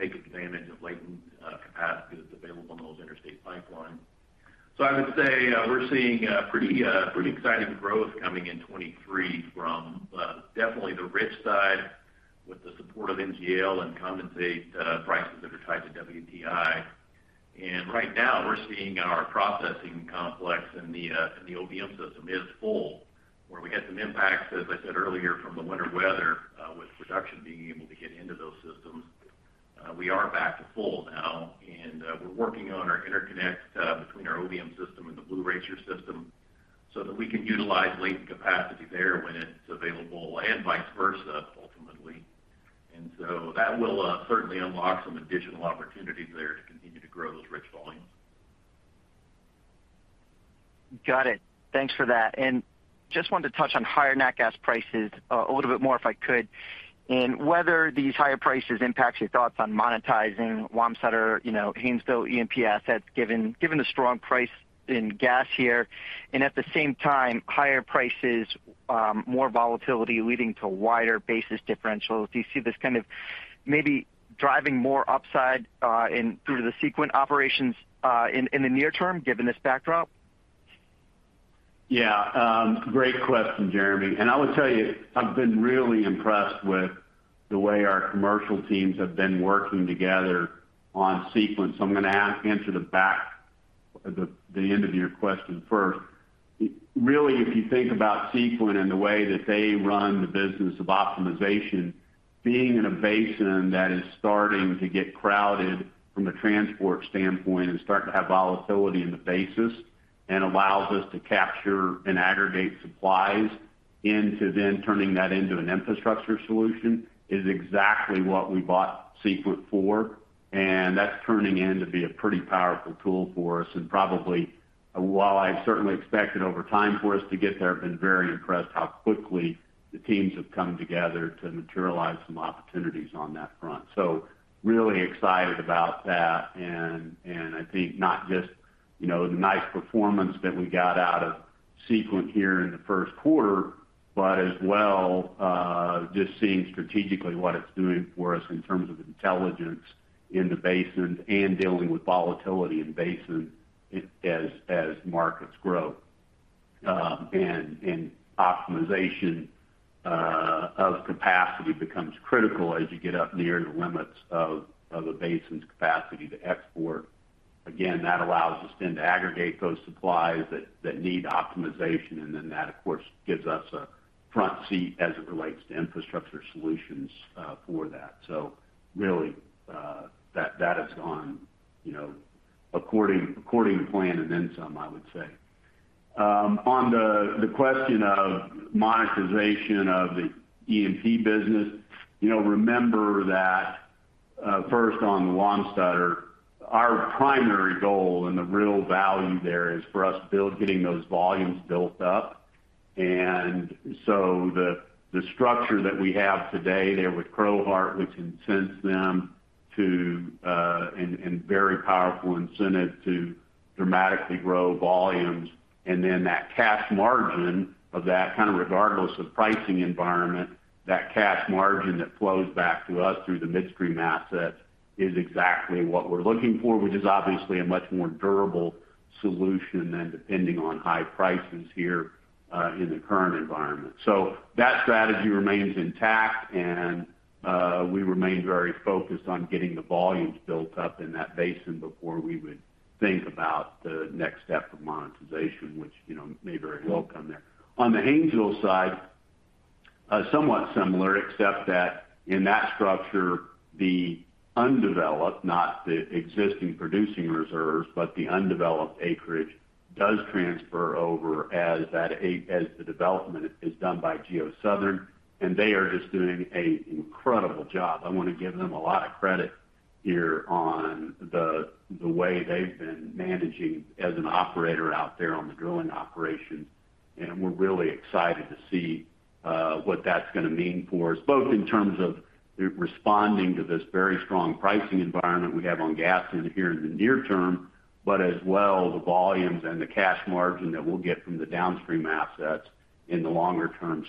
Speaker 8: take advantage of latent capacity that's available on those interstate pipelines. I would say we're seeing pretty exciting growth coming in 2023 from definitely the rich side with the support of NGL and condensate prices that are tied to WTI. Right now we're seeing our processing complex in the OBM system is full, where we had some impacts, as I said earlier, from the winter weather with production being able to get into those systems. We are back to full now, and we're working on our interconnects between our OBM system and the Blue Racer system so that we can utilize latent capacity there when it's available and vice versa, ultimately. That will certainly unlock some additional opportunities there to continue to grow those rich volumes.
Speaker 11: Got it. Thanks for that. Just wanted to touch on higher nat gas prices a little bit more, if I could. Whether these higher prices impacts your thoughts on monetizing Wamsutter, you know, Haynesville E&P assets, given the strong price in gas here, and at the same time, higher prices, more volatility leading to wider basis differentials. Do you see this kind of maybe driving more upside, through to the Sequent operations, in the near term, given this backdrop?
Speaker 3: Yeah. Great question, Jeremy. I would tell you, I've been really impressed with the way our commercial teams have been working together on Sequent. I'm gonna answer the end of your question first. Really, if you think about Sequent and the way that they run the business of optimization, being in a basin that is starting to get crowded from a transport standpoint and starting to have volatility in the basis, and allows us to capture and aggregate supplies into then turning that into an infrastructure solution, is exactly what we bought Sequent for, and that's turning into be a pretty powerful tool for us. Probably, while I certainly expect it over time for us to get there, I've been very impressed how quickly the teams have come together to materialize some opportunities on that front. Really excited about that, and I think not just, you know, the nice performance that we got out of Sequent here in the first quarter, but as well, just seeing strategically what it's doing for us in terms of intelligence in the basin and dealing with volatility in the basin as markets grow. And optimization of capacity becomes critical as you get up near the limits of a basin's capacity to export. Again, that allows us then to aggregate those supplies that need optimization, and then that, of course, gives us a front seat as it relates to infrastructure solutions for that. Really, that has gone, you know, according to plan and then some, I would say. On the question of monetization of the E&P business, you know, remember that first on the Wamsutter, our primary goal and the real value there is for us getting those volumes built up. The structure that we have today there with Crowheart, which incents them to and very powerful incentive to dramatically grow volumes. That cash margin of that, kind of regardless of pricing environment, that cash margin that flows back to us through the midstream asset is exactly what we're looking for, which is obviously a much more durable solution than depending on high prices here in the current environment. That strategy remains intact, and we remain very focused on getting the volumes built up in that basin before we would think about the next step of monetization, which, you know, may very well come there. On the Haynesville side, somewhat similar, except that in that structure, the undeveloped, not the existing producing reserves, but the undeveloped acreage does transfer over as the development is done by GeoSouthern, and they are just doing a incredible job. I wanna give them a lot of credit here on the way they've been managing as an operator out there on the drilling operations. We're really excited to see what that's gonna mean for us, both in terms of responding to this very strong pricing environment we have on gas in the near term, but as well, the volumes and the cash margin that we'll get from the downstream assets in the longer term.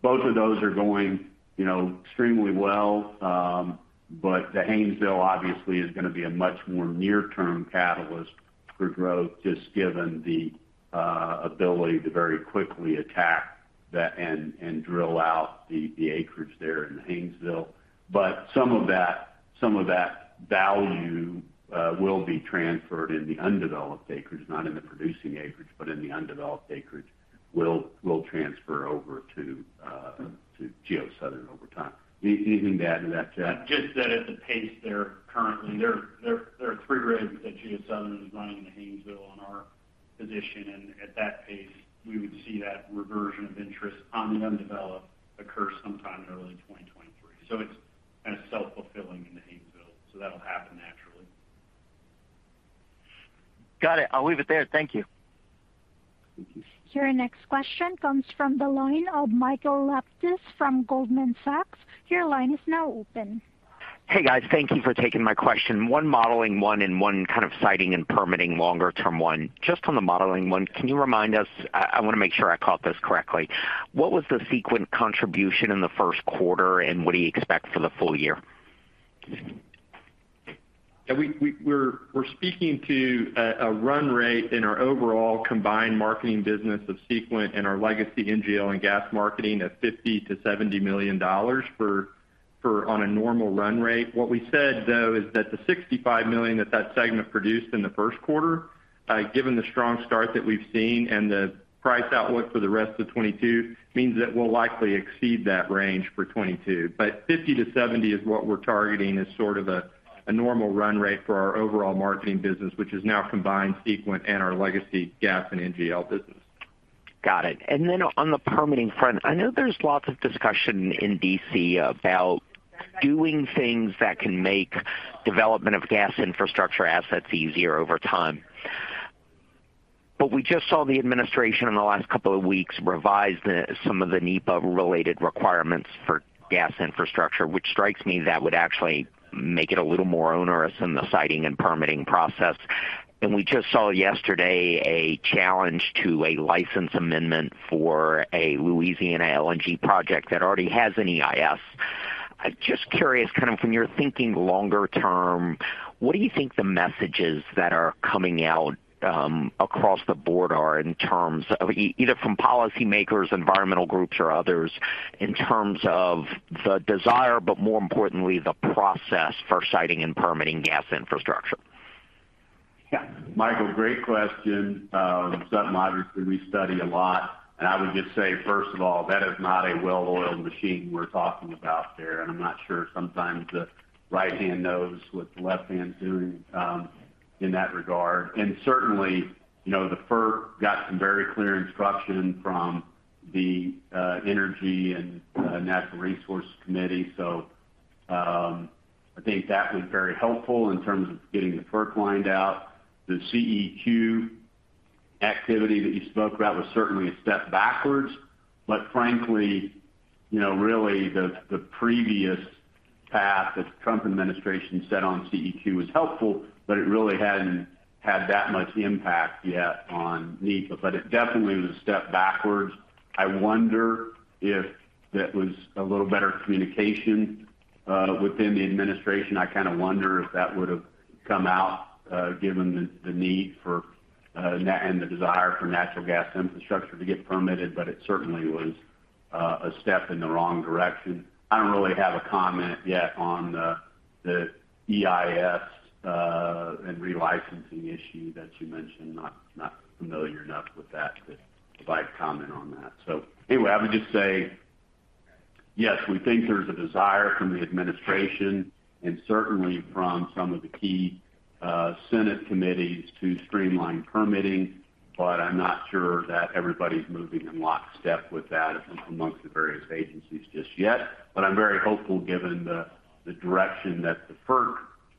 Speaker 3: Both of those are going, you know, extremely well. The Haynesville obviously is gonna be a much more near-term catalyst for growth, just given the ability to very quickly attack that and drill out the acreage there in Haynesville. Some of that value will be transferred in the undeveloped acreage, not in the producing acreage, but in the undeveloped acreage will transfer over to GeoSouthern over time. Do you have anything to add to that, [Jack]?
Speaker 4: There are three rigs that GeoSouthern is running in the Haynesville on our position, and at that pace, we would see that reversion of interest on the undeveloped occur sometime in early 2023. It's kind of self-fulfilling in the Haynesville, so that'll happen naturally.
Speaker 11: Got it. I'll leave it there. Thank you.
Speaker 3: Thank you.
Speaker 1: Your next question comes from the line of Michael Lapides from Goldman Sachs. Your line is now open.
Speaker 12: Hey, guys. Thank you for taking my question. One modeling one and one kind of siting and permitting longer term one. Just on the modeling one, can you remind us, I wanna make sure I caught this correctly. What was the Sequent contribution in the first quarter, and what do you expect for the full-year?
Speaker 3: Yeah. We're speaking to a run rate in our overall combined marketing business of Sequent and our legacy NGL and gas marketing at $50-$70 million on a normal run rate. What we said, though, is that the $65 million that the segment produced in the first quarter, given the strong start that we've seen and the price outlook for the rest of 2022, means that we'll likely exceed that range for 2022. 50-70 is what we're targeting as sort of a normal run rate for our overall marketing business, which is now combined Sequent and our legacy gas and NGL business.
Speaker 12: Got it. On the permitting front, I know there's lots of discussion in D.C. about doing things that can make development of gas infrastructure assets easier over time. We just saw the administration in the last couple of weeks revise some of the NEPA-related requirements for gas infrastructure, which strikes me that would actually make it a little more onerous in the siting and permitting process. We just saw yesterday a challenge to a license amendment for a Louisiana LNG project that already has an EIS. I'm just curious, kind of when you're thinking longer term, what do you think the messages that are coming out, across the board are in terms of either from policymakers, environmental groups or others in terms of the desire, but more importantly, the process for siting and permitting gas infrastructure?
Speaker 3: Yeah. Michael, great question. Something obviously we study a lot. I would just say, first of all, that is not a well-oiled machine we're talking about there. I'm not sure sometimes the right hand knows what the left hand's doing, in that regard. Certainly, you know, the FERC got some very clear instruction from the Energy and Natural Resources Committee. I think that was very helpful in terms of getting the FERC lined out. The CEQ activity that you spoke about was certainly a step backwards. Frankly, you know, really the previous path that the Trump administration set on CEQ was helpful, but it really hadn't had that much impact yet on NEPA. It definitely was a step backwards. I wonder if that was a little better communication within the administration. I kind of wonder if that would have come out, given the need for and the desire for natural gas infrastructure to get permitted, but it certainly was a step in the wrong direction. I don't really have a comment yet on the EIS and re-licensing issue that you mentioned. Not familiar enough with that to provide comment on that. Anyway, I would just say, yes, we think there's a desire from the administration, and certainly from some of the key Senate committees to streamline permitting, but I'm not sure that everybody's moving in lockstep with that amongst the various agencies just yet. I'm very hopeful given the direction that the FERC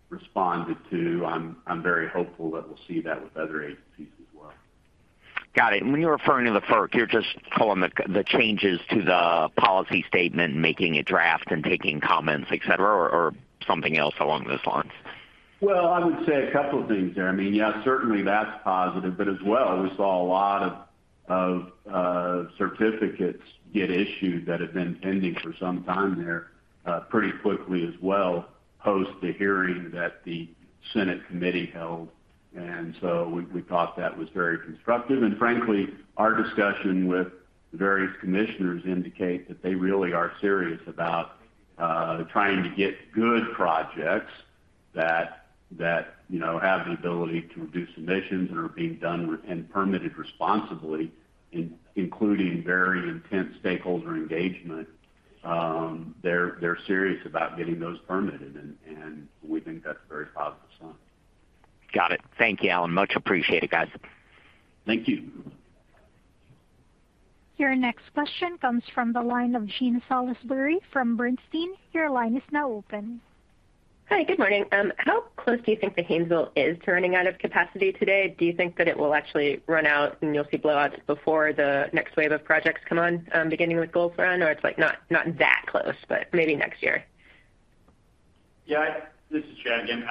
Speaker 3: responded to. I'm very hopeful that we'll see that with other agencies as well.
Speaker 12: Got it. When you're referring to the FERC, you're just calling the changes to the policy statement, making a draft and taking comments, et cetera, or something else along those lines?
Speaker 3: Well, I would say a couple of things there. I mean, yeah, certainly that's positive. But as well, we saw a lot of certificates get issued that had been pending for some time there, pretty quickly as well, post the hearing that the Senate Committee held. We thought that was very constructive. Frankly, our discussion with the various commissioners indicate that they really are serious about trying to get good projects that you know have the ability to reduce emissions and are being done and permitted responsibly, including very intense stakeholder engagement. They're serious about getting those permitted and we think that's a very positive sign.
Speaker 12: Got it. Thank you, Alan. Much appreciated, guys.
Speaker 3: Thank you.
Speaker 1: Your next question comes from the line of Jean Salisbury from Bernstein. Your line is now open.
Speaker 13: Hi, good morning. How close do you think the Haynesville is to running out of capacity today? Do you think that it will actually run out and you'll see blowouts before the next wave of projects come on, beginning with Gulf Run? Or it's like not that close, but maybe next year.
Speaker 7: Yeah. This is Chad again.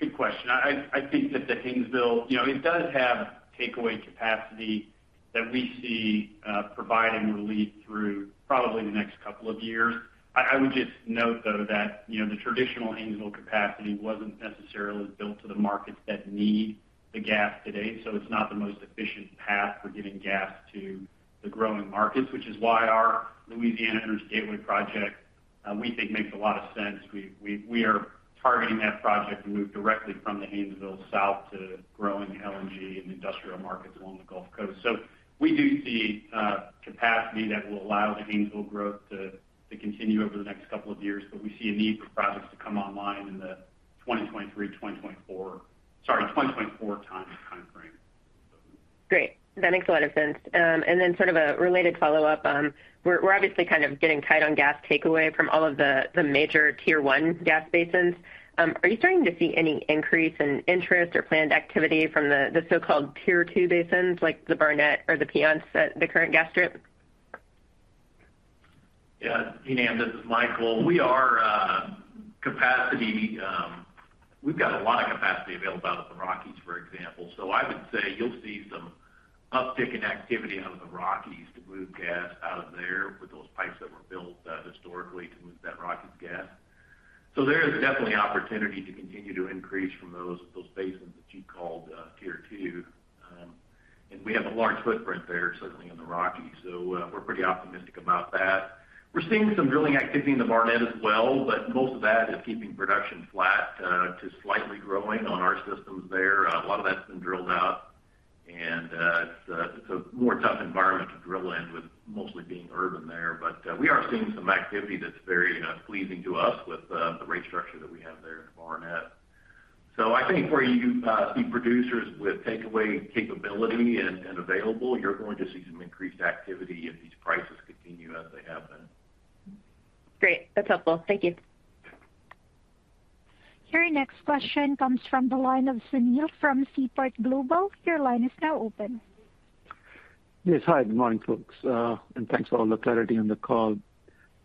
Speaker 7: Good question. I think that the Haynesville, you know, it does have takeaway capacity that we see providing relief through probably the next couple of years. I would just note, though, that, you know, the traditional Haynesville capacity wasn't necessarily built to the markets that need the gas today, so it's not the most efficient path for getting gas to the growing markets, which is why our Louisiana Energy Gateway project, we think makes a lot of sense. We are targeting that project to move directly from the Haynesville south to growing LNG and industrial markets along the Gulf Coast. We do see capacity that will allow the Haynesville growth to continue over the next couple of years, but we see a need for projects to come online in the 2024 time timeframe.
Speaker 13: Great. That makes a lot of sense. Sort of a related follow-up. We're obviously kind of getting tight on gas takeaway from all of the major Tier 1 gas basins. Are you starting to see any increase in interest or planned activity from the so-called Tier 2 basins like the Barnett or the Piceance, the current gas strips?
Speaker 8: Yeah. Jean, this is Michael. We've got a lot of capacity available out of the Rockies, for example. I would say you'll see some uptick in activity out of the Rockies to move gas out of there with those pipes that were built historically to move that Rockies gas. There is definitely opportunity to continue to increase from those basins that you called Tier Two. We have a large footprint there, certainly in the Rockies. We're pretty optimistic about that. We're seeing some drilling activity in the Barnett as well, but most of that is keeping production flat to slightly growing on our systems there. A lot of that's been drilled out, and it's a more tough environment to drill in with mostly being urban there. We are seeing some activity that's very pleasing to us with the rate structure that we have there in the Barnett. I think where you see producers with takeaway capability and available, you're going to see some increased activity if these prices continue as they have been.
Speaker 13: Great. That's helpful. Thank you.
Speaker 1: Your next question comes from the line of Sunil from Seaport Global. Your line is now open.
Speaker 14: Yes. Hi, good morning, folks. Thanks for all the clarity on the call.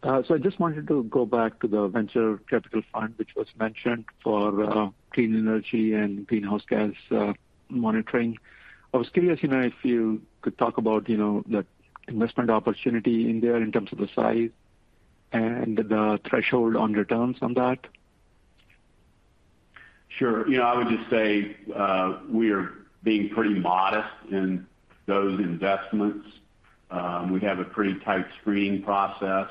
Speaker 14: I just wanted to go back to the venture capital fund, which was mentioned for clean energy and greenhouse gas monitoring. I was curious, you know, if you could talk about, you know, the investment opportunity in there in terms of the size and the threshold on returns on that?
Speaker 3: Sure. You know, I would just say, we are being pretty modest in those investments. We have a pretty tight screening process,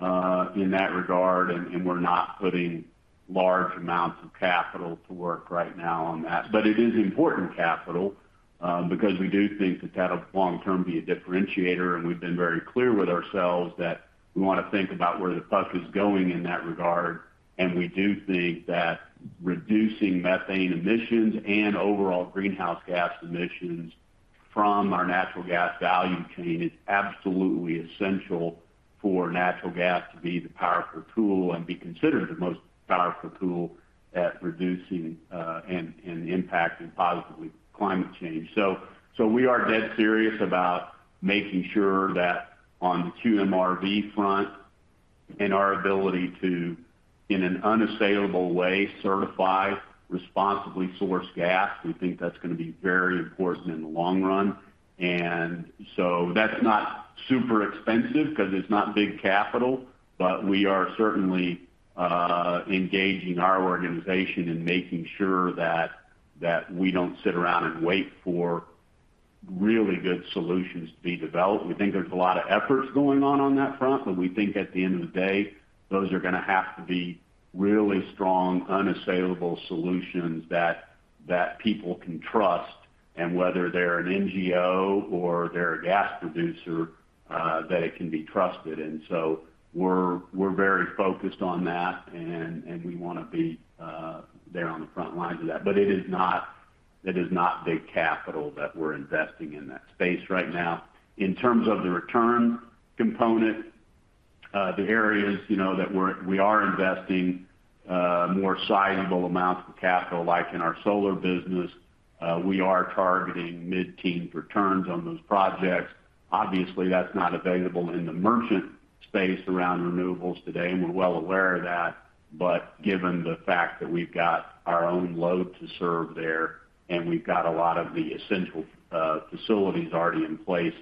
Speaker 3: in that regard, and we're not putting large amounts of capital to work right now on that. But it is important capital, because we do think that that'll long term be a differentiator, and we've been very clear with ourselves that we wanna think about where the puck is going in that regard. We do think that reducing methane emissions and overall greenhouse gas emissions from our natural gas value chain is absolutely essential for natural gas to be the powerful tool and be considered the most powerful tool at reducing and impacting positively climate change. We are dead serious about making sure that on the QMRV front and our ability to, in an unassailable way, certify responsibly sourced gas. We think that's gonna be very important in the long run. That's not super expensive because it's not big capital, but we are certainly engaging our organization in making sure that we don't sit around and wait for really good solutions to be developed. We think there's a lot of efforts going on on that front, but we think at the end of the day, those are gonna have to be really strong, unassailable solutions that people can trust, and whether they're an NGO or they're a gas producer, that it can be trusted. We're very focused on that and we wanna be there on the front lines of that. It is not big capital that we're investing in that space right now. In terms of the return component, the areas, you know, that we are investing more sizable amounts of capital, like in our solar business, we are targeting mid-teen returns on those projects. Obviously, that's not available in the merchant space around renewables today, and we're well aware of that. Given the fact that we've got our own load to serve there, and we've got a lot of the essential facilities already in place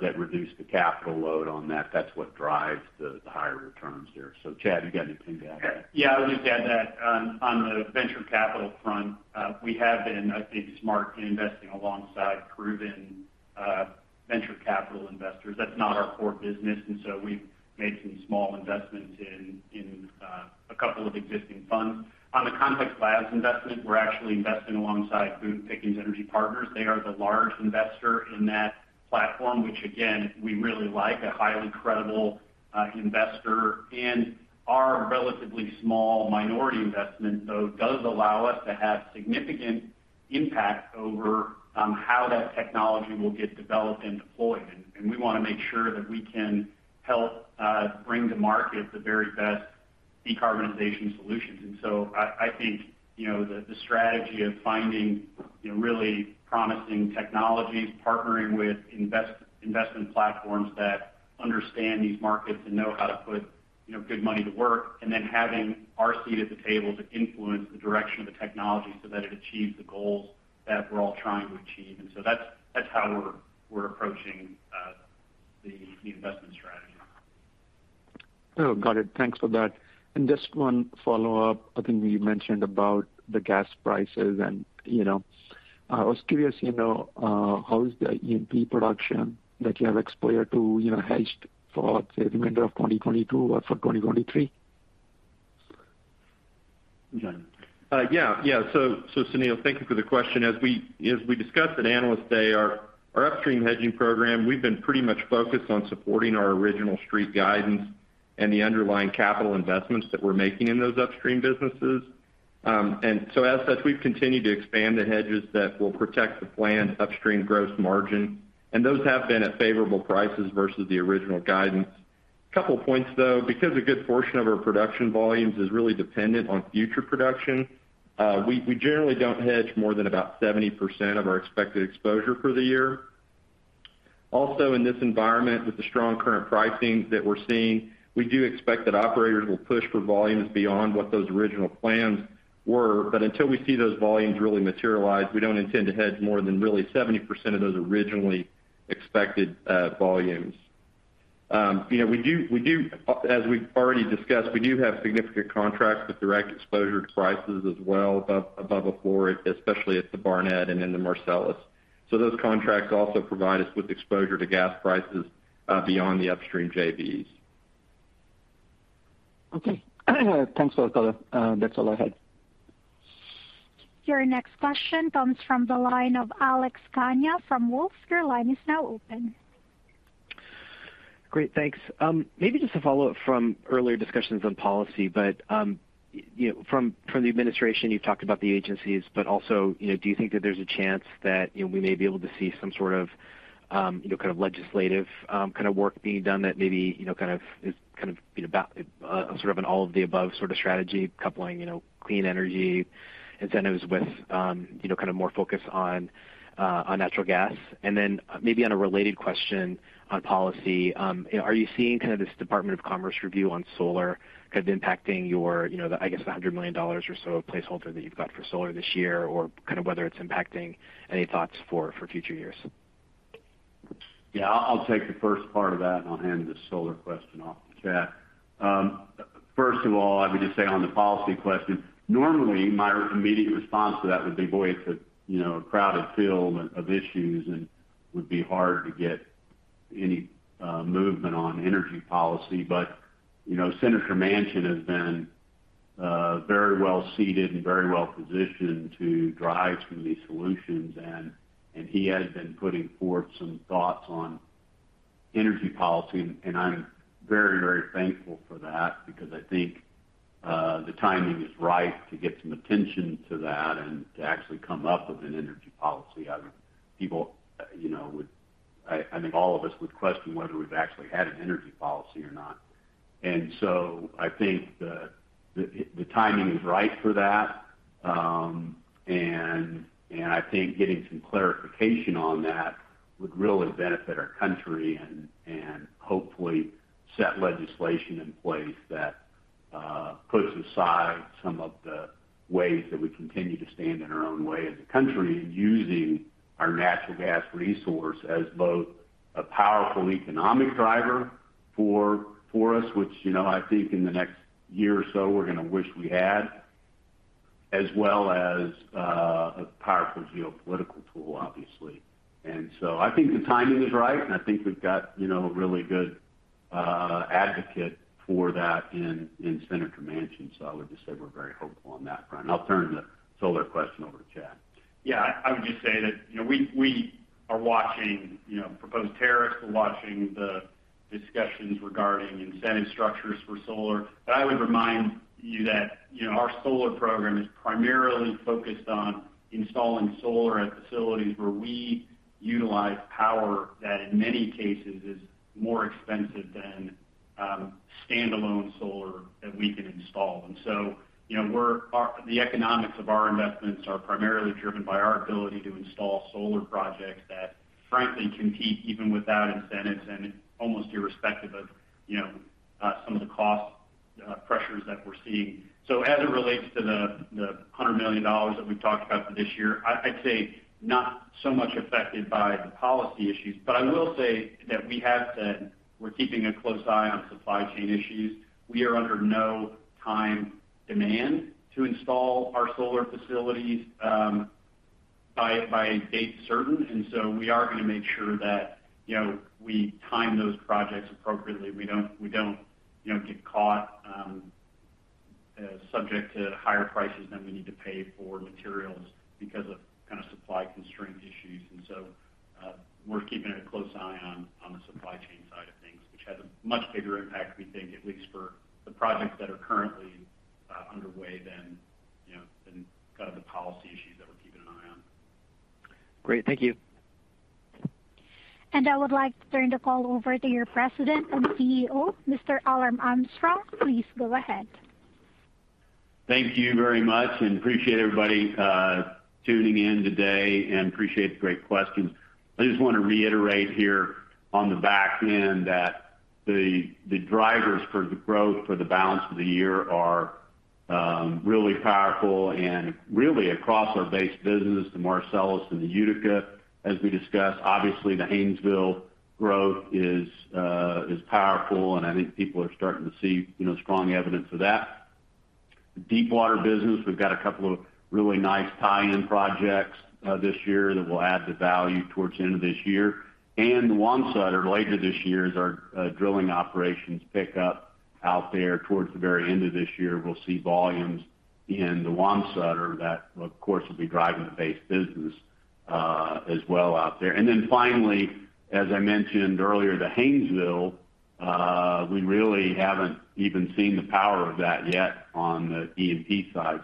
Speaker 3: that reduce the capital load on that's what drives the higher returns there. Chad, you got anything to add?
Speaker 7: Yeah. I would just add that on the venture capital front, we have been, I think, smart in investing alongside proven venture capital investors. That's not our core business, and so we've made some small investments in a couple of existing funds. On the Context Labs investment, we're actually investing alongside Quantum Energy Partners. They are the large investor in that platform, which again, we really like. A highly credible investor. Our relatively small minority investment, though, does allow us to have significant impact over how that technology will get developed and deployed. We wanna make sure that we can help bring to market the very best decarbonization solutions. I think, you know, the strategy of finding, you know, really promising technologies, partnering with investment platforms that understand these markets and know how to put, you know, good money to work, and then having our seat at the table to influence the direction of the technology so that it achieves the goals that we're all trying to achieve. That's how we're approaching the investment strategy.
Speaker 14: Oh, got it. Thanks for that. Just one follow-up. I think we mentioned about the gas prices and, you know. I was curious, you know, how is the E&P production that you have exposure to, you know, hedged for, say, the remainder of 2022 or for 2023?
Speaker 3: Sunil, thank you for the question. As we discussed at Analyst Day, our upstream hedging program, we've been pretty much focused on supporting our original street guidance and the underlying capital investments that we're making in those upstream businesses. As such, we've continued to expand the hedges that will protect the planned upstream gross margin, and those have been at favorable prices versus the original guidance. A couple points, though. Because a good portion of our production volumes is really dependent on future production, we generally don't hedge more than about 70% of our expected exposure for the year. Also, in this environment, with the strong current pricing that we're seeing, we do expect that operators will push for volumes beyond what those original plans were. Until we see those volumes really materialize, we don't intend to hedge more than really 70% of those originally expected volumes. You know, as we've already discussed, we do have significant contracts with direct exposure to prices as well above a floor, especially at the Barnett and in the Marcellus. Those contracts also provide us with exposure to gas prices beyond the upstream JVs.
Speaker 14: Okay. Thanks for that. That's all I had.
Speaker 1: Your next question comes from the line of Alex Kania from Wolfe. Your line is now open.
Speaker 15: Great, thanks. Maybe just a follow-up from earlier discussions on policy. You know, from the administration, you've talked about the agencies, but also, you know, do you think that there's a chance that, you know, we may be able to see some sort of, you know, kind of legislative kind of work being done that maybe, you know, kind of is, you know, about, sort of an all-of-the-above sort of strategy coupling, you know, clean energy incentives with, you know, kind of more focus on natural gas? Maybe on a related question on policy, you know, are you seeing kind of this Department of Commerce review on solar kind of impacting your, you know, I guess, the $100 million or so placeholder that you've got for solar this year, or kind of whether it's impacting any thoughts for future years?
Speaker 3: Yeah, I'll take the first part of that, and I'll hand the solar question off to Chad. First of all, let me just say on the policy question, normally, my immediate response to that would be, boy, it's a you know a crowded field of issues and would be hard to get any movement on energy policy. You know, Senator Manchin has been very well situated and very well positioned to drive some of these solutions. He has been putting forth some thoughts on energy policy, and I'm very, very thankful for that because I think the timing is right to get some attention to that and to actually come up with an energy policy. I mean, people, you know, I think all of us would question whether we've actually had an energy policy or not. I think the timing is right for that. I think getting some clarification on that would really benefit our country and hopefully set legislation in place that puts aside some of the ways that we continue to stand in our own way as a country using our natural gas resource as both a powerful economic driver for us, which, you know, I think in the next year or so we're gonna wish we had, as well as a powerful geopolitical tool, obviously. I think the timing is right, and I think we've got, you know, a really good advocate for that in Senator Manchin. I would just say we're very hopeful on that front. I'll turn the solar question over to Chad.
Speaker 7: Yeah. I would just say that, you know, we are watching, you know, proposed tariffs. We're watching the discussions regarding incentive structures for solar. I would remind you that, you know, our solar program is primarily focused on installing solar at facilities where we utilize power that in many cases is more expensive than standalone solar that we can install. The economics of our investments are primarily driven by our ability to install solar projects that frankly compete even without incentives and almost irrespective of, you know, some of the cost pressures that we're seeing. As it relates to the $100 million that we've talked about for this year, I'd say not so much affected by the policy issues, but I will say that we have said we're keeping a close eye on supply chain issues. We are under no time demand to install our solar facilities by date certain. We are gonna make sure that, you know, we time those projects appropriately. We don't, you know, get caught subject to higher prices than we need to pay for materials because of kind of supply constraint issues. We're keeping a close eye on the supply chain side of things, which has a much bigger impact, we think, at least for the projects that are currently underway than, you know, than kind of the policy issues that we're keeping an eye on.
Speaker 15: Great. Thank you.
Speaker 1: I would like to turn the call over to your President and CEO, Mr. Alan Armstrong. Please go ahead.
Speaker 3: Thank you very much, and appreciate everybody tuning in today and appreciate the great questions. I just wanna reiterate here on the back end that the drivers for the growth for the balance of the year are really powerful and really across our base business, the Marcellus and the Utica, as we discussed. Obviously, the Haynesville growth is powerful, and I think people are starting to see, you know, strong evidence of that. The Deepwater business, we've got a couple of really nice tie-in projects this year that will add the value towards the end of this year. The Wamsutter later this year, as our drilling operations pick up out there towards the very end of this year, we'll see volumes in the Wamsutter that of course will be driving the base business as well out there. Then finally, as I mentioned earlier, the Haynesville, we really haven't even seen the power of that yet on the E&P side.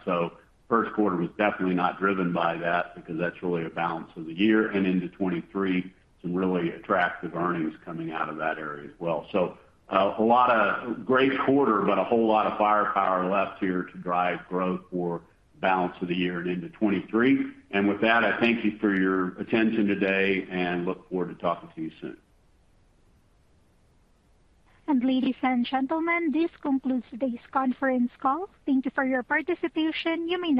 Speaker 3: First quarter was definitely not driven by that because that's really a balance of the year and into 2023, some really attractive earnings coming out of that area as well. A lot, a great quarter, but a whole lot of firepower left here to drive growth for balance of the year and into 2023. With that, I thank you for your attention today and look forward to talking to you soon.
Speaker 1: Ladies and gentlemen, this concludes today's conference call. Thank you for your participation. You may now disconnect.